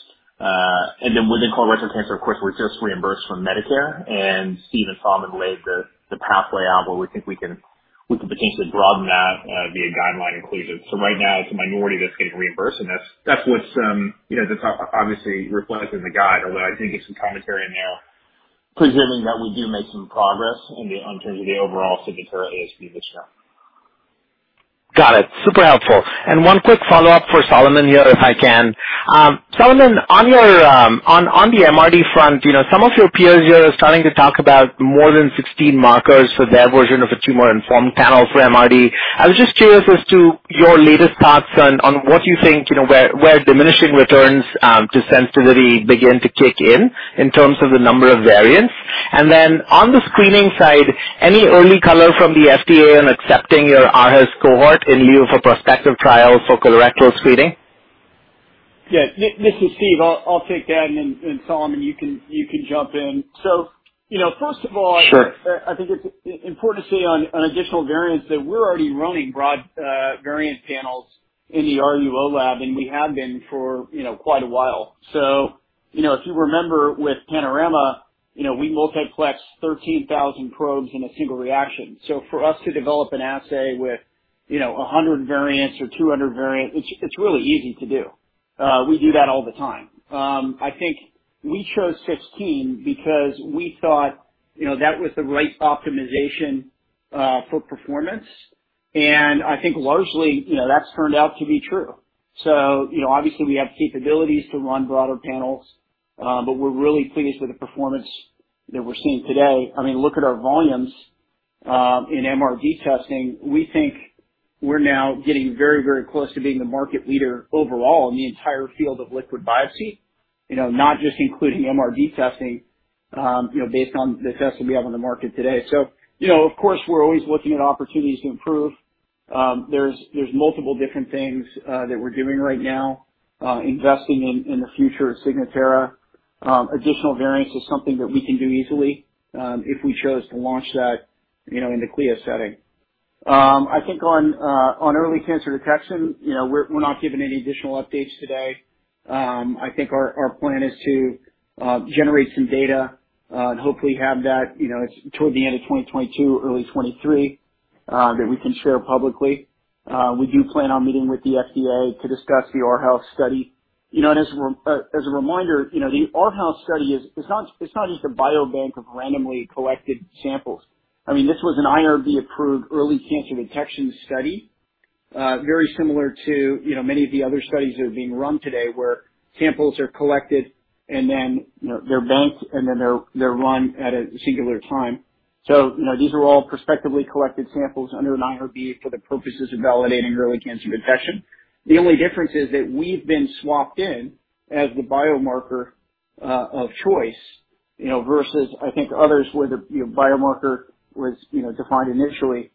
Speaker 2: Then within colorectal cancer, of course, we're just reimbursed from Medicare and Steve and Solomon laid the pathway out where we think we can potentially broaden that via guideline inclusion. Right now it's a minority that's getting reimbursed, and that's what's, you know, obviously reflected in the guide or what I think is some commentary in there, presuming that we do make some progress in terms of the overall Signatera ASP this year.
Speaker 5: Got it. Super helpful. One quick follow-up for Solomon here if I can. Solomon, on the MRD front, you know, some of your peers here are starting to talk about more than 16 markers for their version of a tumor-informed panel for MRD. I was just curious as to your latest thoughts on what you think, where diminishing returns to sensitivity begin to kick in terms of the number of variants? On the screening side, any early color from the FDA on accepting your in-house cohort in lieu of a prospective trial for colorectal screening?
Speaker 3: Yeah. This is Steve. I'll take that and then Solomon, you can jump in. You know, first of all-
Speaker 4: Sure.
Speaker 3: I think it's important to say on additional variants that we're already running broad variant panels in the RUO lab, and we have been for, you know, quite a while. You know, if you remember with Panorama, you know, we multiplex 13,000 probes in a single reaction. For us to develop an assay with, you know, 100 variants or 200 variants, it's really easy to do. We do that all the time. I think we chose 16 because we thought, you know, that was the right optimization for performance. I think largely, you know, that's turned out to be true. You know, obviously we have capabilities to run broader panels, but we're really pleased with the performance that we're seeing today. I mean, look at our volumes in MRD testing. We think we're now getting very, very close to being the market leader overall in the entire field of liquid biopsy, you know, not just including MRD testing, you know, based on the tests that we have on the market today. You know, of course, we're always looking at opportunities to improve. There's multiple different things that we're doing right now, investing in the future of Signatera. Additional variants is something that we can do easily, if we chose to launch that, you know, in the CLIA setting. I think on early cancer detection, you know, we're not giving any additional updates today. I think our plan is to generate some data, and hopefully have that, you know, toward the end of 2022, early 2023, that we can share publicly. We do plan on meeting with the FDA to discuss the [O Health] study. You know, as a reminder, you know, the [O Health] study is. It's not just a biobank of randomly collected samples. I mean, this was an IRB-approved early cancer detection study, very similar to, you know, many of the other studies that are being run today where samples are collected and then, you know, they're banked, and then they're run at a singular time. You know, these are all prospectively collected samples under an IRB for the purposes of validating early cancer detection. The only difference is that we've been swapped in as the biomarker of choice, you know, versus I think others where the biomarker was defined initially.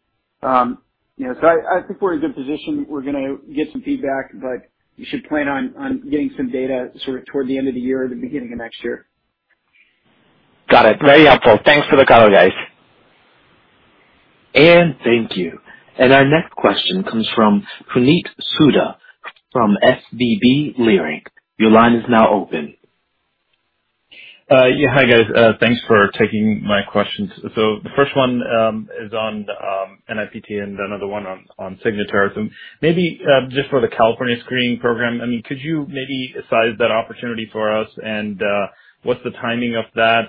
Speaker 3: You know, I think we're in a good position. We're gonna get some feedback, but you should plan on getting some data sort of toward the end of the year or the beginning of next year.
Speaker 5: Got it. Very helpful. Thanks for the color, guys.
Speaker 1: Thank you. Our next question comes from Puneet Souda from SVB Leerink. Your line is now open.
Speaker 6: Hi, guys. Thanks for taking my questions. The first one is on NIPT and another one on Signatera. Maybe just for the California screening program, I mean, could you maybe size that opportunity for us and what's the timing of that?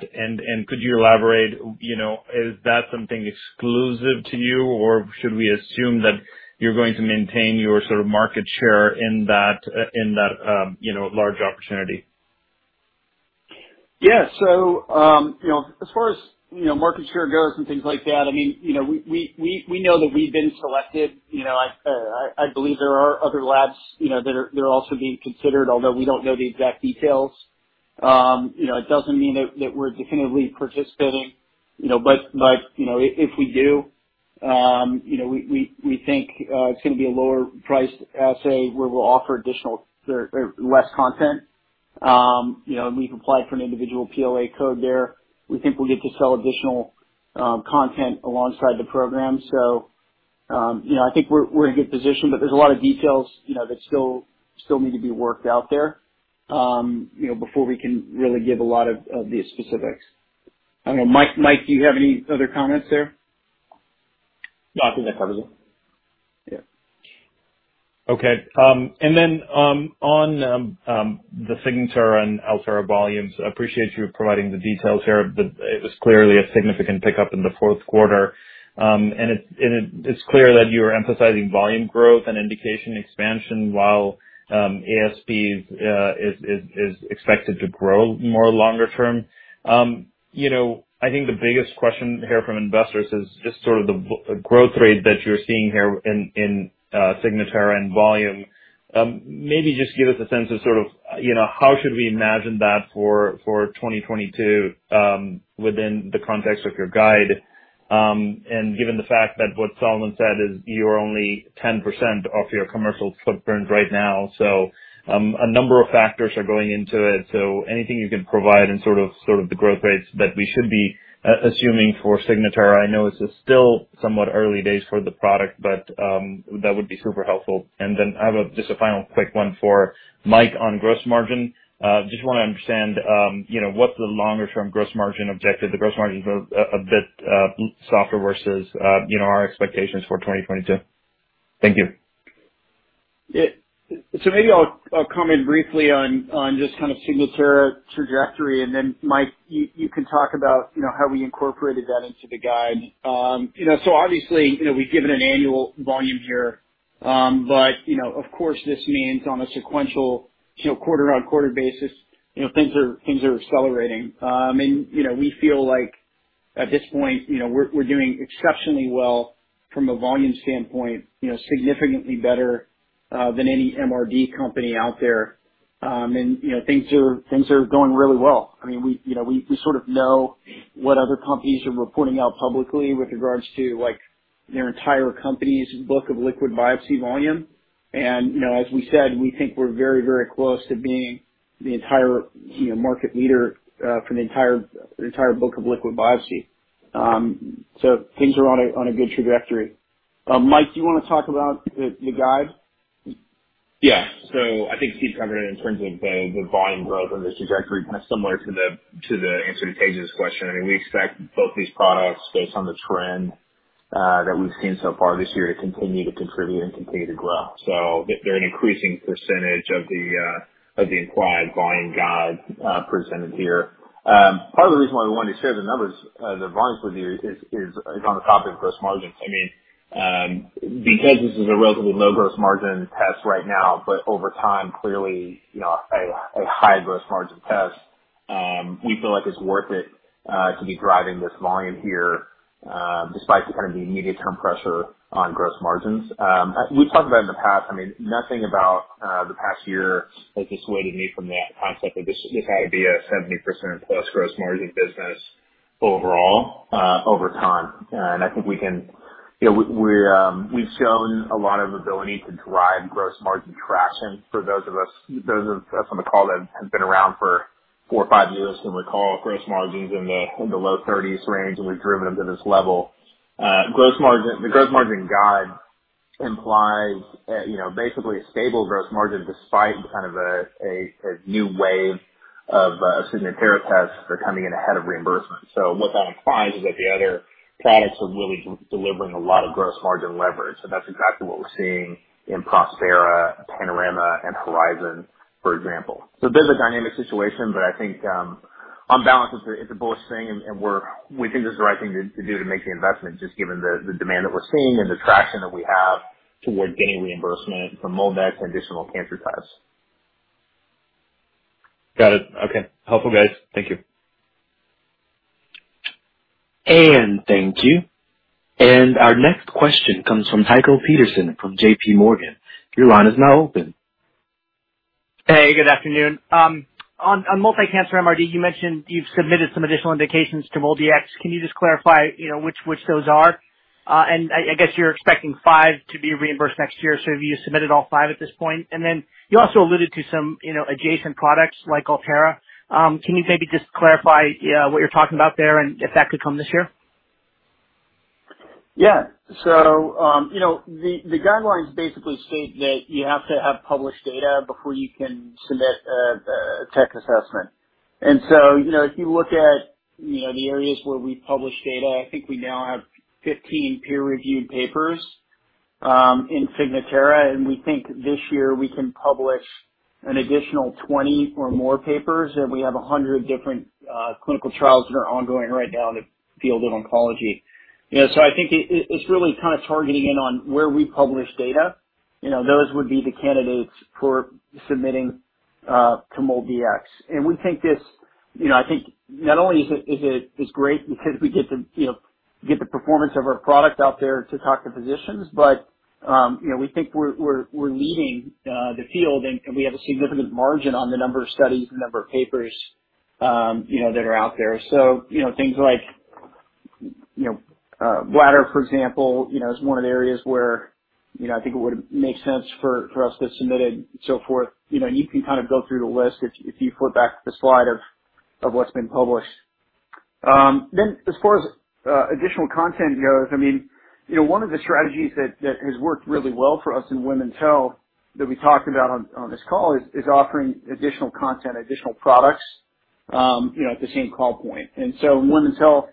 Speaker 6: Could you elaborate, you know, is that something exclusive to you, or should we assume that you're going to maintain your sort of market share in that, you know, large opportunity?
Speaker 3: Yeah. You know, as far as, you know, market share goes and things like that, I mean, you know, we know that we've been selected. You know, I believe there are other labs, you know, that are also being considered, although we don't know the exact details. You know, it doesn't mean that we're definitively participating, you know. You know, if we do, you know, we think it's gonna be a lower-priced assay where we'll offer additional or less content. You know, we've applied for an individual PLA code there. We think we'll get to sell additional content alongside the program. I think we're in a good position, but there's a lot of details, you know, that still need to be worked out there, you know, before we can really give a lot of the specifics. I don't know. Mike, do you have any other comments there?
Speaker 2: No, I think that covers it.
Speaker 3: Yeah.
Speaker 6: Okay. On the Signatera and Altera volumes, appreciate you providing the details here. It was clearly a significant pickup in the fourth quarter. It is clear that you are emphasizing volume growth and indication expansion while ASP is expected to grow more longer term. You know, I think the biggest question here from investors is just sort of the growth rate that you are seeing here in Signatera and volume. Maybe just give us a sense of sort of, you know, how should we imagine that for 2022, within the context of your guide. Given the fact that what Solomon said is you are only 10% of your commercial footprint right now, so a number of factors are going into it. Anything you can provide in sort of the growth rates that we should be assuming for Signatera. I know it's still somewhat early days for the product, but that would be super helpful. Then I have just a final quick one for Mike on gross margin. Just wanna understand, you know, what's the longer term gross margin objective? The gross margin's a bit softer versus, you know, our expectations for 2022. Thank you.
Speaker 3: Yeah. Maybe I'll comment briefly on just kind of Signatera trajectory, and then Mike, you can talk about, you know, how we incorporated that into the guide. You know, obviously, you know, we've given an annual volume here, but you know, of course, this means on a sequential, you know, quarter-over-quarter basis, you know, things are accelerating. You know, we feel like at this point, you know, we're doing exceptionally well. From a volume standpoint, you know, significantly better than any MRD company out there. You know, things are going really well. I mean, we, you know, we sort of know what other companies are reporting out publicly with regards to, like, their entire company's book of liquid biopsy volume. You know, as we said, we think we're very, very close to being the entire market leader for the entire book of liquid biopsy. So things are on a good trajectory. Mike, do you wanna talk about the guide?
Speaker 2: Yeah. I think Steve covered it in terms of the volume growth and the trajectory, kind of similar to the answer to Tejas' question. I mean, we expect both these products based on the trend that we've seen so far this year to continue to contribute and continue to grow. They're an increasing percentage of the implied volume guide presented here. Part of the reason why we wanted to share the numbers, the volumes with you is on the topic of gross margins. I mean, because this is a relatively low gross margin test right now, but over time, clearly, you know, a high gross margin test, we feel like it's worth it to be driving this volume here, despite the kind of the immediate term pressure on gross margins. We've talked about in the past, I mean, nothing about the past year has dissuaded me from that concept of this idea of 70+% gross margin business overall over time. I think we can. You know, we've shown a lot of ability to drive gross margin traction. For those of us on the call that have been around for four or five years can recall gross margins in the low 30s range, and we've driven them to this level. Gross margin guide implies, you know, basically a stable gross margin despite kind of a new wave of Signatera tests coming in ahead of reimbursement. What that implies is that the other products are really delivering a lot of gross margin leverage, so that's exactly what we're seeing in Prospera, Panorama and Horizon, for example. It is a dynamic situation, but I think, on balance it's a bullish thing and we think it's the right thing to do to make the investment, just given the demand that we're seeing and the traction that we have towards gaining reimbursement for MolDX and additional cancer types.
Speaker 6: Got it. Okay. Helpful, guys. Thank you.
Speaker 1: Thank you. Our next question comes from Tycho Peterson from JPMorgan. Your line is now open.
Speaker 7: Hey, good afternoon. On multi-cancer MRD, you mentioned you've submitted some additional indications to MolDX. Can you just clarify, you know, which those are? I guess you're expecting five to be reimbursed next year. Have you submitted all five at this point? You also alluded to some, you know, adjacent products like Altera. Can you maybe just clarify what you're talking about there and if that could come this year?
Speaker 3: Yeah. You know, the guidelines basically state that you have to have published data before you can submit a tech assessment. You know, if you look at you know, the areas where we publish data, I think we now have 15 peer-reviewed papers in Signatera, and we think this year we can publish an additional 20 or more papers, and we have 100 different clinical trials that are ongoing right now in the field of oncology. You know, so I think it's really kind of targeting in on where we publish data. You know, those would be the candidates for submitting to MolDX. We think this, you know. I think not only is it great because we get to, you know, get the performance of our product out there to talk to physicians, but, you know, we think we're leading the field and we have a significant margin on the number of studies, the number of papers, you know, that are out there. You know, things like bladder, for example, you know, is one of the areas where, you know, I think it would make sense for us to submit it and so forth. You can kind of go through the list if you flip back the slide of what's been published. Then as far as additional content goes, I mean, you know, one of the strategies that has worked really well for us in women's health that we talked about on this call is offering additional content, additional products, you know, at the same call point. In women's health,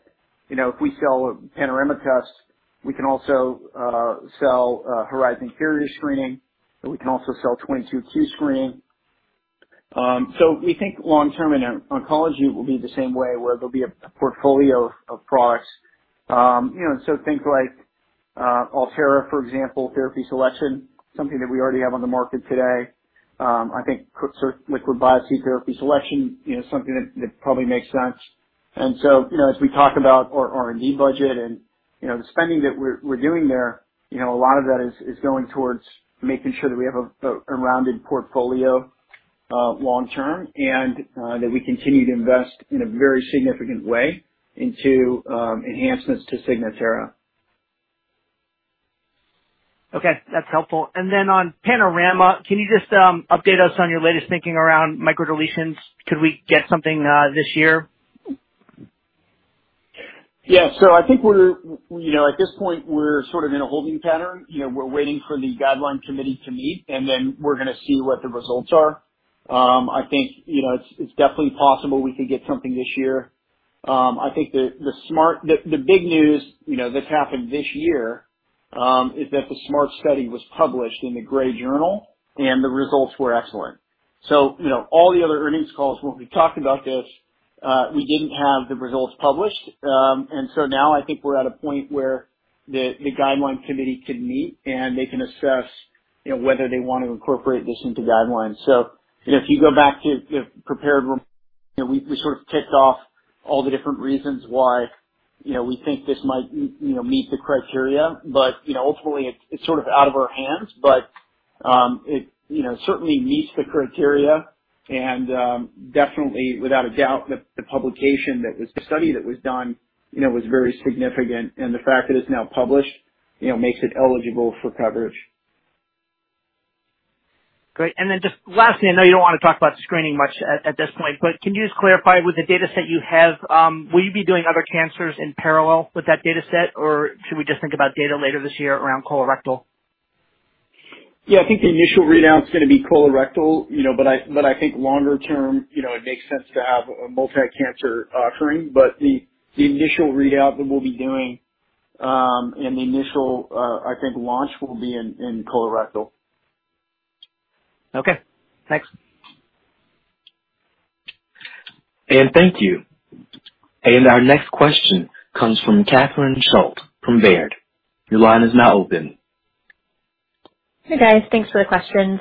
Speaker 3: you know, if we sell a Panorama test, we can also sell Horizon carrier screening, and we can also sell 22q screening. So we think long-term in oncology will be the same way where there'll be a portfolio of products. You know, so things like Altera, for example, therapy selection, something that we already have on the market today. I think sort of liquid biopsy therapy selection, you know, is something that probably makes sense. You know, as we talk about our R&D budget and, you know, the spending that we're doing there, you know, a lot of that is going towards making sure that we have a rounded portfolio, long term and that we continue to invest in a very significant way into enhancements to Signatera.
Speaker 7: Okay. That's helpful. On Panorama, can you just update us on your latest thinking around micro deletions? Could we get something this year?
Speaker 3: Yeah. I think we're, you know, at this point, we're sort of in a holding pattern. You know, we're waiting for the guideline committee to meet, and then we're gonna see what the results are. I think, you know, it's definitely possible we could get something this year. I think the big news, you know, that's happened this year, is that the SMART study was published in the Gray Journal and the results were excellent. You know, all the other earnings calls when we talked about this, we didn't have the results published. Now I think we're at a point where the guideline committee could meet and they can assess, you know, whether they want to incorporate this into guidelines. You know, we sort of ticked off all the different reasons why, you know, we think this might meet the criteria. You know, ultimately it's sort of out of our hands, but it you know, certainly meets the criteria and definitely without a doubt the study that was done, you know, was very significant and the fact that it's now published, you know, makes it eligible for coverage.
Speaker 7: Great. Just last thing, I know you don't wanna talk about screening much at this point, but can you just clarify with the data set you have, will you be doing other cancers in parallel with that data set, or should we just think about data later this year around colorectal?
Speaker 3: Yeah, I think the initial readout is gonna be colorectal, you know, but I think longer term, you know, it makes sense to have a multi-cancer offering. But the initial readout that we'll be doing, and the initial I think launch will be in colorectal.
Speaker 7: Okay. Thanks.
Speaker 1: Thank you. Our next question comes from Catherine Schulte from Baird. Your line is now open.
Speaker 8: Hey, guys. Thanks for the questions.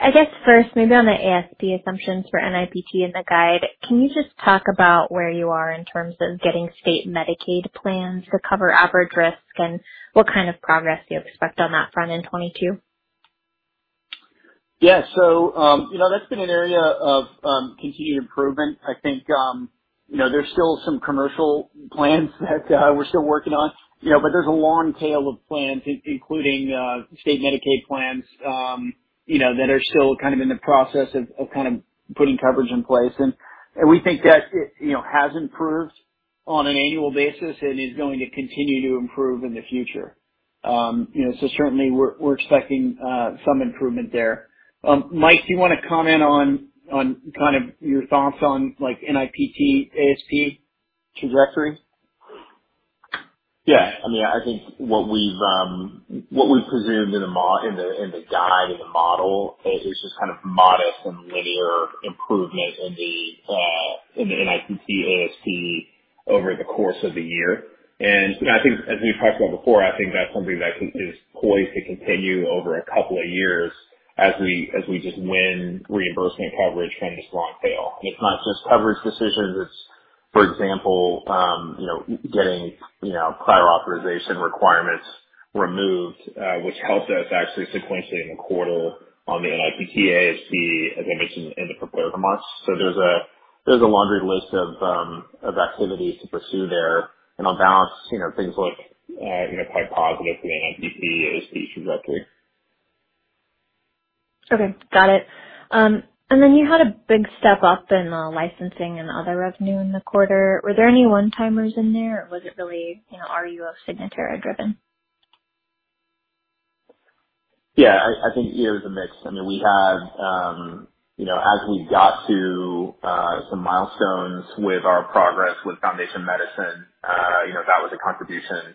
Speaker 8: I guess first, maybe on the ASP assumptions for NIPT in the guide, can you just talk about where you are in terms of getting state Medicaid plans to cover average risk and what kind of progress do you expect on that front in 2022?
Speaker 3: Yeah. That's been an area of continued improvement. I think you know, there's still some commercial plans that we're still working on. You know, there's a long tail of plans including state Medicaid plans you know, that are still kind of in the process of kind of putting coverage in place. We think that it you know, has improved on an annual basis and is going to continue to improve in the future. You know, certainly we're expecting some improvement there. Mike, do you wanna comment on kind of your thoughts on like NIPT ASP trajectory?
Speaker 2: Yeah. I mean, I think what we presumed in the guide in the model is just kind of modest and linear improvement in the NIPT ASP over the course of the year. You know, I think as we've talked about before, I think that's something that is poised to continue over a couple of years as we just win reimbursement coverage from this long tail. It's not just coverage decisions, it's for example, you know, getting prior authorization requirements removed, which helped us actually sequentially in the quarter on the NIPT ASP, as I mentioned in the prepared remarks. There's a laundry list of activities to pursue there. On balance, you know, things look quite positive for the NIPT ASP trajectory.
Speaker 8: Okay. Got it. Then you had a big step up in the licensing and other revenue in the quarter. Were there any one-timers in there or was it really, you know, RUO of Signatera driven?
Speaker 2: Yeah, I think it was a mix. I mean, we had, you know, as we got to some milestones with our progress with Foundation Medicine, you know, that was a contribution.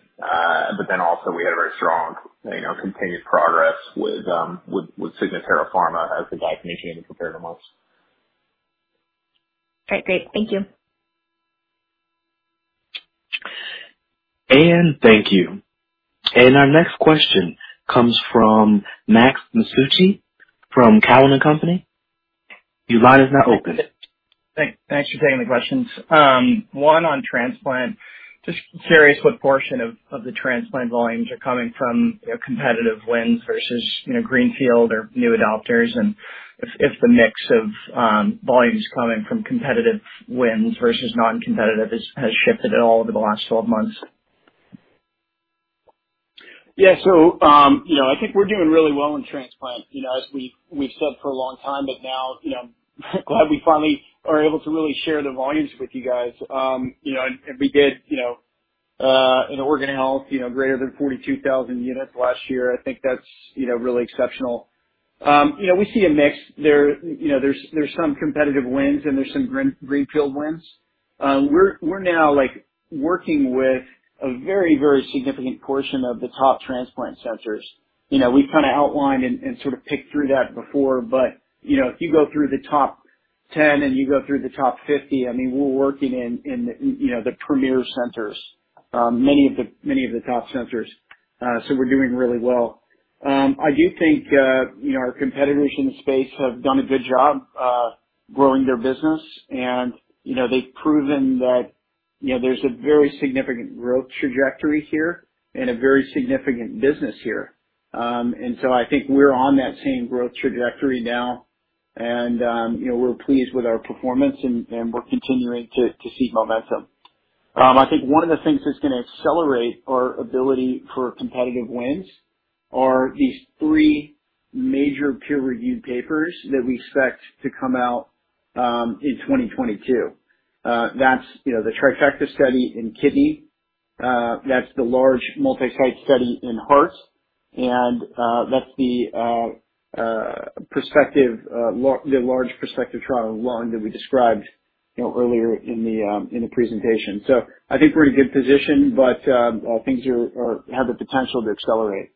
Speaker 2: Then also we had a very strong, you know, continued progress with Signatera Pharma as the guide mentioned in the prepared remarks.
Speaker 8: All right, great. Thank you.
Speaker 1: Thank you. Our next question comes from Max Masucci from Cowen and Company. Your line is now open.
Speaker 9: Thanks. Thanks for taking the questions. One on transplant, just curious what portion of the transplant volumes are coming from, you know, competitive wins versus, you know, greenfield or new adopters, and if the mix of volumes coming from competitive wins versus non-competitive has shifted at all over the last 12 months.
Speaker 3: Yeah. You know, I think we're doing really well in transplant, you know, as we've said for a long time, but now, you know, glad we finally are able to really share the volumes with you guys. You know, we did, you know, in organ health, you know, greater than 42,000 units last year. I think that's, you know, really exceptional. You know, we see a mix. There you know, there's some competitive wins and there's some greenfield wins. We're now like working with a very, very significant portion of the top transplant centers. You know, we've kind of outlined and sort of picked through that before, but you know, if you go through the top 10 and you go through the top 50, I mean, we're working in you know, the premier centers, many of the top centers. So we're doing really well. I do think you know, our competitors in the space have done a good job growing their business and you know, they've proven that you know, there's a very significant growth trajectory here and a very significant business here. I think we're on that same growth trajectory now and you know, we're pleased with our performance and we're continuing to see momentum. I think one of the things that's gonna accelerate our ability for competitive wins are these three major peer-reviewed papers that we expect to come out in 2022. That's, you know, the Trifecta study in kidney, that's the large multi-site study in heart and, that's the large prospective trial in lung that we described, you know, earlier in the presentation. I think we're in a good position, but things have the potential to accelerate.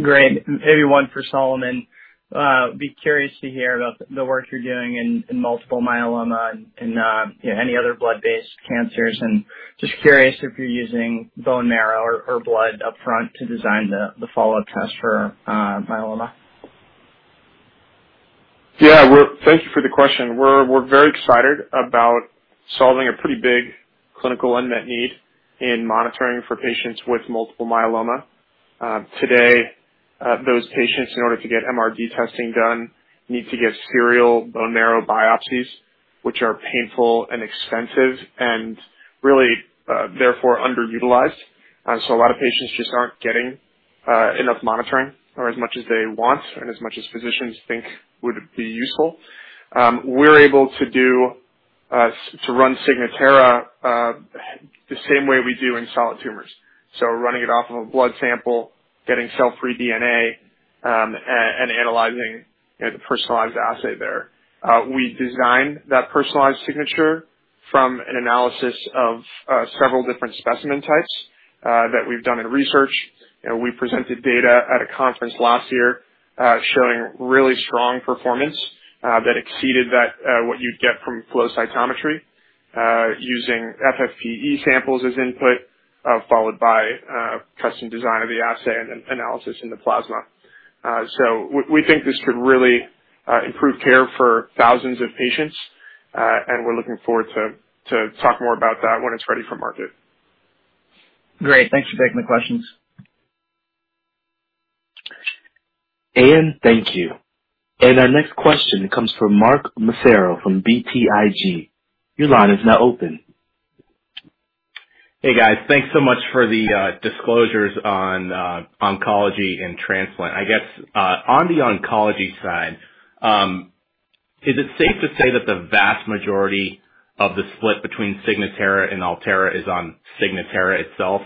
Speaker 9: Great. Maybe one for Solomon. I'd be curious to hear about the work you're doing in multiple myeloma and, you know, any other blood-based cancers, and just curious if you're using bone marrow or blood upfront to design the follow-up test for myeloma.
Speaker 4: Thank you for the question. We're very excited about solving a pretty big clinical unmet need in monitoring for patients with multiple myeloma. Today, those patients, in order to get MRD testing done, need to get serial bone marrow biopsies, which are painful and expensive and really, therefore underutilized. A lot of patients just aren't getting enough monitoring or as much as they want and as much as physicians think would be useful. We're able to run Signatera the same way we do in solid tumors. Running it off of a blood sample, getting cell-free DNA, and analyzing, you know, the personalized assay there. We design that personalized signature from an analysis of several different specimen types that we've done in research. You know, we presented data at a conference last year, showing really strong performance that exceeded what you'd get from flow cytometry, using FFPE samples as input, followed by a custom design of the assay and analysis in the plasma. We think this could really improve care for thousands of patients, and we're looking forward to talk more about that when it's ready for market.
Speaker 3: Great. Thanks for taking the questions.
Speaker 1: And, thank you. Our next question comes from Mark Massaro from BTIG. Your line is now open.
Speaker 10: Hey, guys. Thanks so much for the disclosures on oncology and transplant. I guess on the oncology side, is it safe to say that the vast majority of the split between Signatera and Altera is on Signatera itself?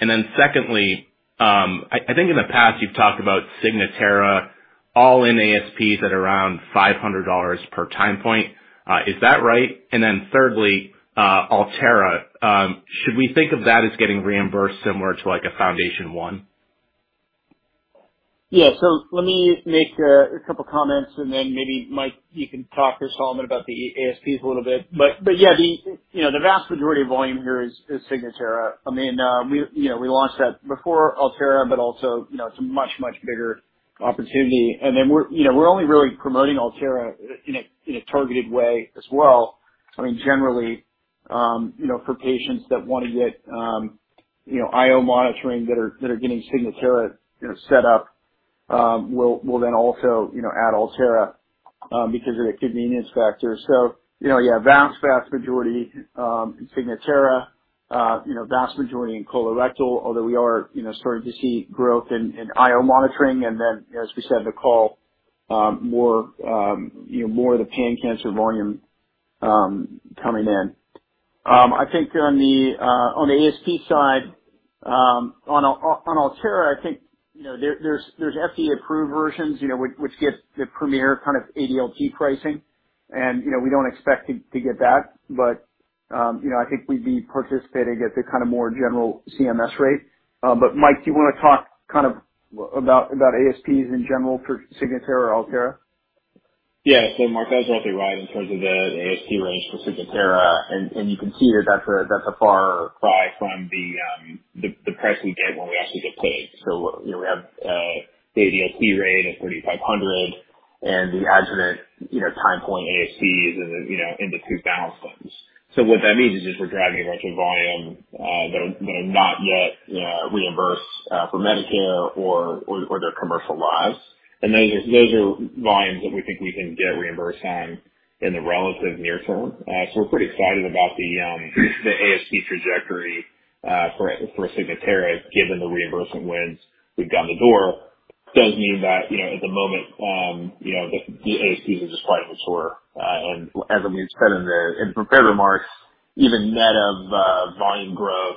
Speaker 10: Then secondly, I think in the past you've talked about Signatera all-in ASPs at around $500 per time point. Is that right? Then thirdly, Altera, should we think of that as getting reimbursed similar to like a FoundationOne?
Speaker 3: Yeah. Let me make a couple comments and then maybe, Mike, you can talk or supplement about the ASPs a little bit. Yeah, the vast majority of volume here is Signatera. I mean, we launched that before Altera, but also, it's a much bigger opportunity. We're only really promoting Altera in a targeted way as well. I mean, generally, for patients that wanna get IO monitoring that are getting Signatera set up, we'll then also add Altera because of the convenience factor. Yeah, vast majority in Signatera. Vast majority in colorectal, although we are starting to see growth in IO monitoring. As we said in the call, more of the pan-cancer volume coming in. I think on the ASP side, on Altera, I think, you know, there's FDA-approved versions, you know, which get the premier kind of ADLT pricing. You know, we don't expect to get that. You know, I think we'd be participating at the kind of more general CMS rate. Mike, do you wanna talk kind of about ASPs in general for Signatera or Altera?
Speaker 2: Yeah. Mark, that's exactly right in terms of the ASP range for Signatera. You can see that that's a far cry from the price we get when we actually get paid. You know, we have the ADLT rate of $3,500 and the Signatera time point ASPs in the $2,000s. What that means is just we're driving a bunch of volume that are not yet reimbursed for Medicare or their commercial lives. Those are volumes that we think we can get reimbursed on in the relative near term. We're pretty excited about the ASP trajectory for Signatera given the reimbursement wins we've gotten so far. Does mean that, you know, at the moment, you know, the ASP is just quite mature. As we've said in the prepared remarks, even net of volume growth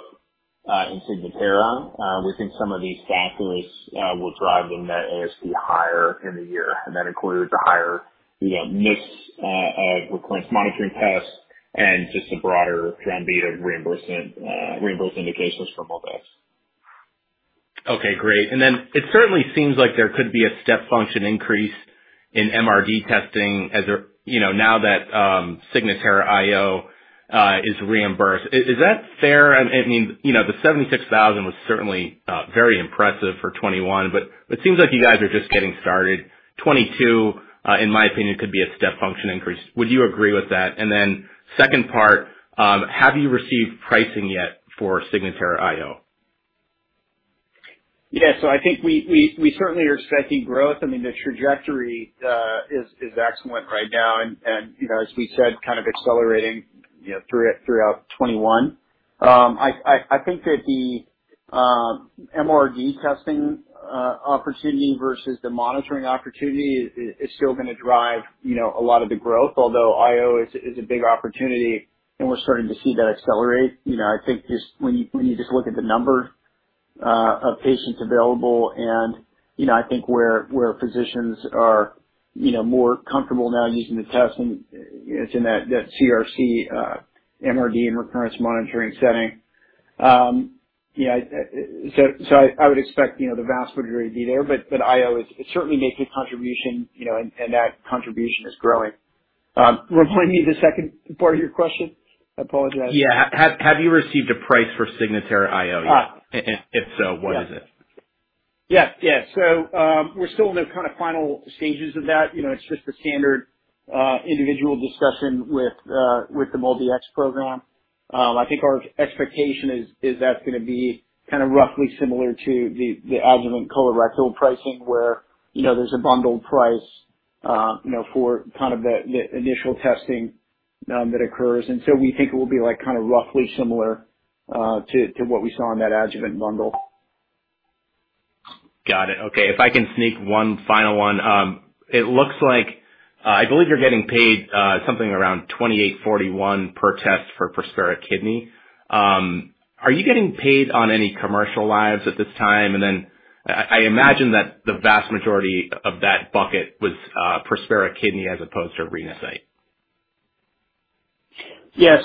Speaker 2: in Signatera, we think some of these catalysts will drive the net ASP higher in the year. That includes a higher, you know, mix of recurrence monitoring tests and just a broader path to reimbursement, reimbursed indications for Altera.
Speaker 10: Okay. Great. It certainly seems like there could be a step function increase in MRD testing as there, you know, now that Signatera IO is reimbursed. Is that fair? I mean, you know, the 76,000 was certainly very impressive for 2021, but it seems like you guys are just getting started. 2022, in my opinion, could be a step function increase. Would you agree with that? Second part, have you received pricing yet for Signatera IO?
Speaker 2: Yeah. I think we certainly are expecting growth. I mean, the trajectory is excellent right now. You know, as we said, kind of accelerating, you know, throughout 2021. I think that the MRD testing opportunity versus the monitoring opportunity is still gonna drive, you know, a lot of the growth, although IO is a big opportunity, and we're starting to see that accelerate. You know, I think just when you just look at the number of patients available and, you know, I think where physicians are, you know, more comfortable now using the test and it's in that CRC MRD and recurrence monitoring setting. You know, I would expect, you know, the vast majority to be there, but IO is certainly making a contribution, you know, and that contribution is growing. Remind me the second part of your question? I apologize.
Speaker 10: Yeah. Have you received a price for Signatera IO yet?
Speaker 2: Ah.
Speaker 10: If so, what is it?
Speaker 3: Yes. Yes. We're still in the kind of final stages of that. You know, it's just the standard individual discussion with the MolDX program. I think our expectation is that's gonna be kind of roughly similar to the adjuvant colorectal pricing where, you know, there's a bundled price, you know, for kind of the initial testing that occurs. We think it will be like kind of roughly similar to what we saw in that adjuvant bundle.
Speaker 10: Got it. Okay. If I can sneak one final one. It looks like, I believe you're getting paid something around $28.41 per test for Prospera kidney. Are you getting paid on any commercial lives at this time? I imagine that the vast majority of that bucket was Prospera kidney as opposed to Renasight.
Speaker 3: Yeah.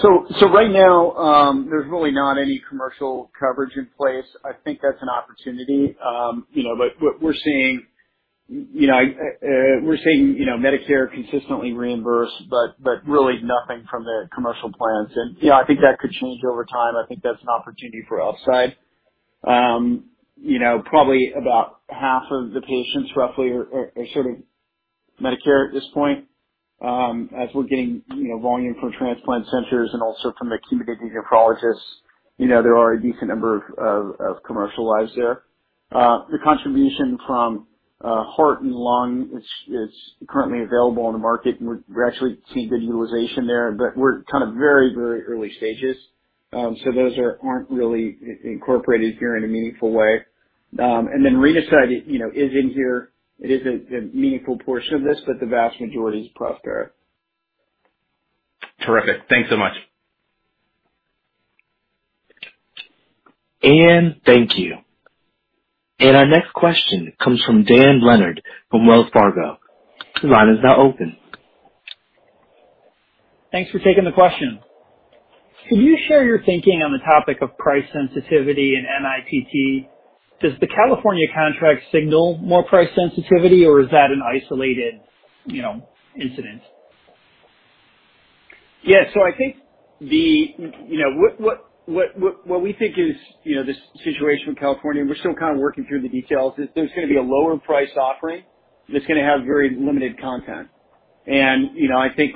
Speaker 3: Right now, there's really not any commercial coverage in place. I think that's an opportunity. You know, what we're seeing, you know, we're seeing, you know, Medicare consistently reimburse, but really nothing from the commercial plans. You know, I think that could change over time. I think that's an opportunity for upside. You know, probably about half of the patients roughly are sort of Medicare at this point. As we're getting, you know, volume from transplant centers and also from the community nephrologists, you know, there are a decent number of commercial lives there. The contribution from heart and lung is currently available on the market. We're actually seeing good utilization there, but we're kind of very early stages. Those aren't really incorporated here in a meaningful way. Renasight, you know, is in here. It is a meaningful portion of this, but the vast majority is Prospera.
Speaker 10: Terrific. Thanks so much.
Speaker 1: Thank you. Our next question comes from Dan Leonard from Wells Fargo. Your line is now open.
Speaker 11: Thanks for taking the question. Can you share your thinking on the topic of price sensitivity and NIPT? Does the California contract signal more price sensitivity, or is that an isolated, you know, incident?
Speaker 3: Yeah. I think you know, what we think is, you know, this situation with California, we're still kind of working through the details, is there's gonna be a lower price offering that's gonna have very limited content. You know, I think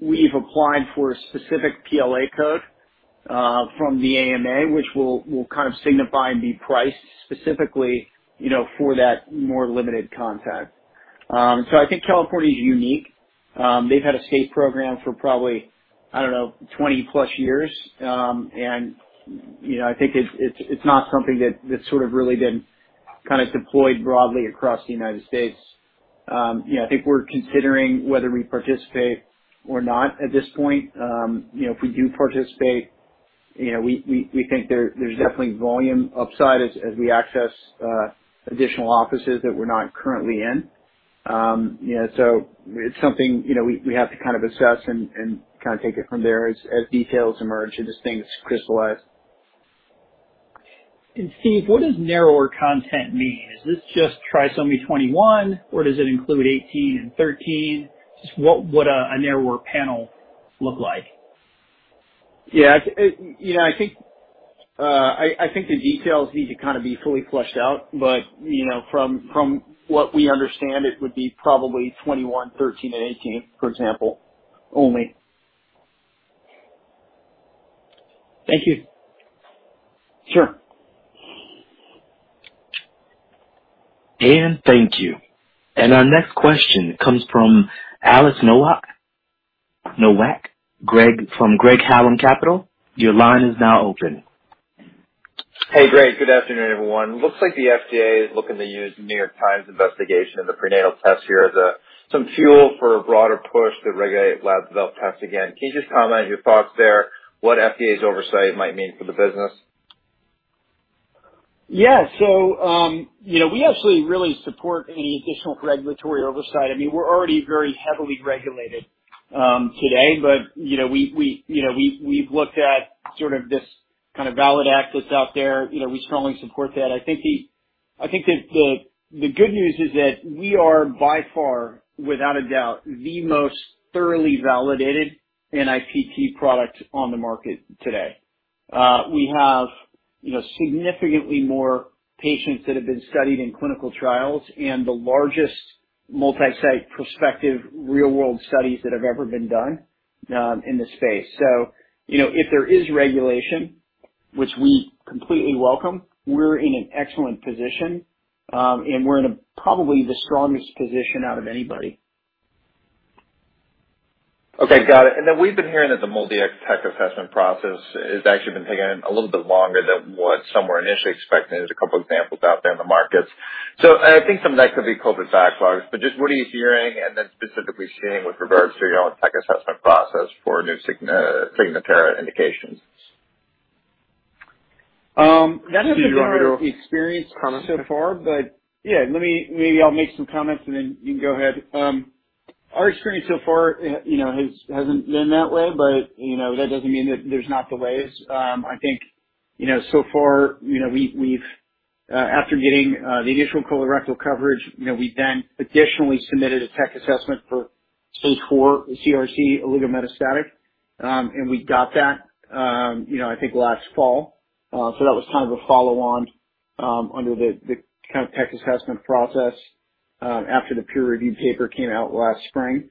Speaker 3: we've applied for a specific PLA code from the AMA, which will kind of signify and be priced specifically, you know, for that more limited content. I think California is unique. They've had a state program for probably, I don't know, 20+ years. You know, I think it's not something that's sort of really been kind of deployed broadly across the United States. You know, I think we're considering whether we participate or not at this point. You know, if we do participate, you know, we think there's definitely volume upside as we access additional offices that we're not currently in. You know, it's something, you know, we have to kind of assess and kind of take it from there as details emerge and as things crystallize.
Speaker 11: Steve, what does narrower content mean? Is this just trisomy 21, or does it include 18 and 13? Just what would a narrower panel look like?
Speaker 3: Yeah. You know, I think the details need to kind of be fully fleshed out. You know, from what we understand, it would be probably 21, 13, and 18, for example, only.
Speaker 11: Thank you.
Speaker 3: Sure.
Speaker 1: Thank you. Our next question comes from Alex Nowak from Craig-Hallum Capital. Your line is now open.
Speaker 12: Hey, Greg. Good afternoon, everyone. Looks like the FDA is looking to use New York Times investigation of the prenatal test here as some fuel for a broader push to regulate lab developed tests again. Can you just comment on your thoughts there, what FDA's oversight might mean for the business?
Speaker 3: Yeah. You know, we actually really support any additional regulatory oversight. I mean, we're already very heavily regulated today. You know, we've looked at sort of this kind of VALID Act that's out there. You know, we strongly support that. I think the good news is that we are by far, without a doubt, the most thoroughly validated NIPT product on the market today. You know, we have significantly more patients that have been studied in clinical trials and the largest multi-site prospective real-world studies that have ever been done in this space. You know, if there is regulation, which we completely welcome, we're in an excellent position and we're in probably the strongest position out of anybody.
Speaker 12: Okay. Got it. We've been hearing that the MolDX tech assessment process has actually been taking a little bit longer than what some were initially expecting. There's a couple examples out there in the markets. I think some of that could be COVID backlogs, but just what are you hearing and then specifically seeing with regards to, you know, tech assessment process for new Signatera treatment area indications?
Speaker 3: That has [crosstalk] been our experience so far. Yeah, maybe I'll make some comments and then you can go ahead. Our experience so far, you know, hasn't been that way, but, you know, that doesn't mean that there's not delays. I think, you know, so far, you know, we've after getting the initial colorectal coverage, you know, we then additionally submitted a tech assessment for stage IV CRC oligometastatic. And we got that, you know, I think last fall. So that was kind of a follow-on under the kind of tech assessment process after the peer-reviewed paper came out last spring.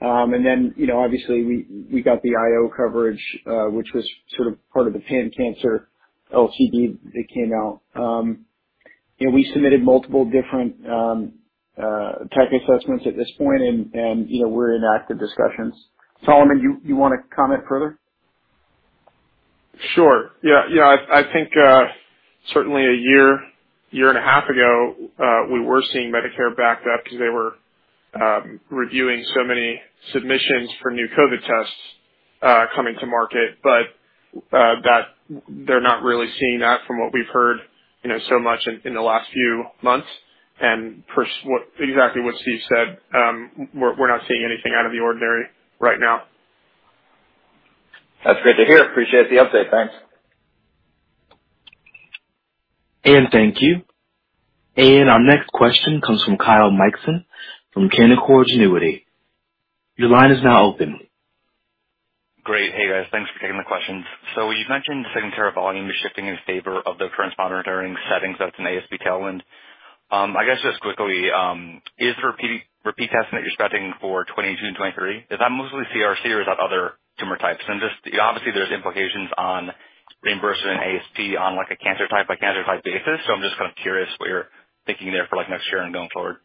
Speaker 3: And then, you know, obviously we got the IO coverage, which was sort of part of the pan-cancer LCD that came out. Yeah, we submitted multiple different tech assessments at this point. You know, we're in active discussions. Solomon, you wanna comment further?
Speaker 4: Sure. Yeah, yeah. I think certainly a year and a half ago we were seeing Medicare backed up 'cause they were reviewing so many submissions for new COVID tests coming to market, but they're not really seeing that from what we've heard, you know, so much in the last few months. Exactly what Steve said. We're not seeing anything out of the ordinary right now.
Speaker 12: That's great to hear. Appreciate the update. Thanks.
Speaker 1: Thank you. Our next question comes from Kyle Mikson from Canaccord Genuity. Your line is now open.
Speaker 13: Great. Hey, guys. Thanks for taking the questions. You've mentioned Signatera volume is shifting in favor of the current monitoring settings that's in ASP tailwind. I guess just quickly, is the repeat testing that you're expecting for 2022 and 2023, is that mostly CRC or is that other tumor types? And just, obviously there's implications on reimbursement in ASP on like a cancer type by cancer type basis, so I'm just kind of curious what you're thinking there for like next year and going forward.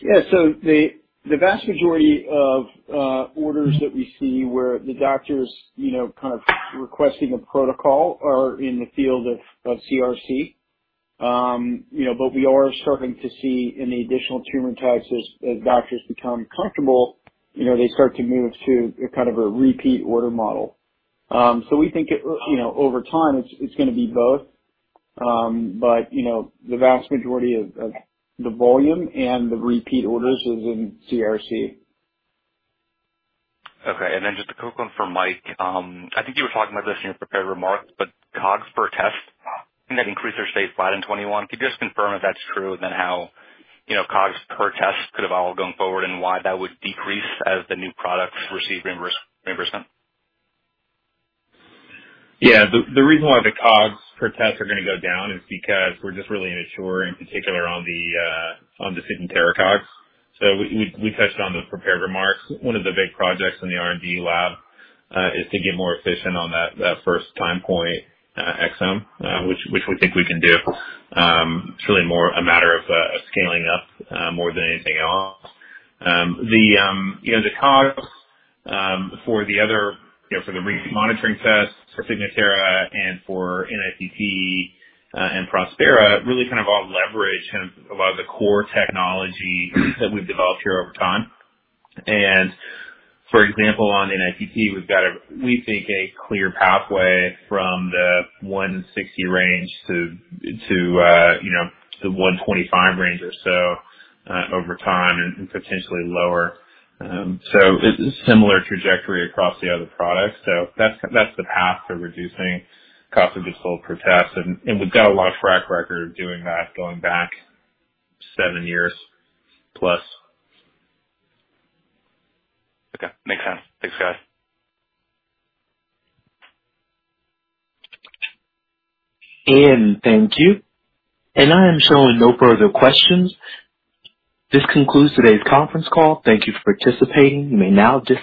Speaker 3: Yeah. The vast majority of orders that we see where the doctors, you know, kind of requesting a protocol are in the field of CRC. You know, we are starting to see in the additional tumor types as doctors become comfortable, you know, they start to move to a kind of a repeat order model. We think it, you know, over time it's gonna be both. You know, the vast majority of the volume and the repeat orders is in CRC.
Speaker 13: Okay. Just a quick one for Mike. I think you were talking about this in your prepared remarks, but COGS per test, I think that increased or stayed flat in 2021. Could you just confirm if that's true, and then how, you know, COGS per test could evolve going forward and why that would decrease as the new products receive reimbursement?
Speaker 2: Yeah. The reason why the COGS per test are gonna go down is because we're just really immature in particular on the Signatera COGS. We touched on the prepared remarks. One of the big projects in the R&D lab is to get more efficient on that first time point exome, which we think we can do. It's really more a matter of scaling up more than anything else. You know, the COGS for the other, you know, for the repeat monitoring tests for Signatera and for NIPT and Prospera, really kind of all leverage kind of a lot of the core technology that we've developed here over time. For example, on NIPT, we've got, we think, a clear pathway from the $160 range to you know the $125 range or so over time, and potentially lower. It's a similar trajectory across the other products. That's the path to reducing cost of goods sold per test. We've got a long track record of doing that, going back 7+ years.
Speaker 13: Okay. Makes sense. Thanks, guys.
Speaker 1: Thank you. I am showing no further questions. This concludes today's conference call. Thank you for participating. You may now disconnect.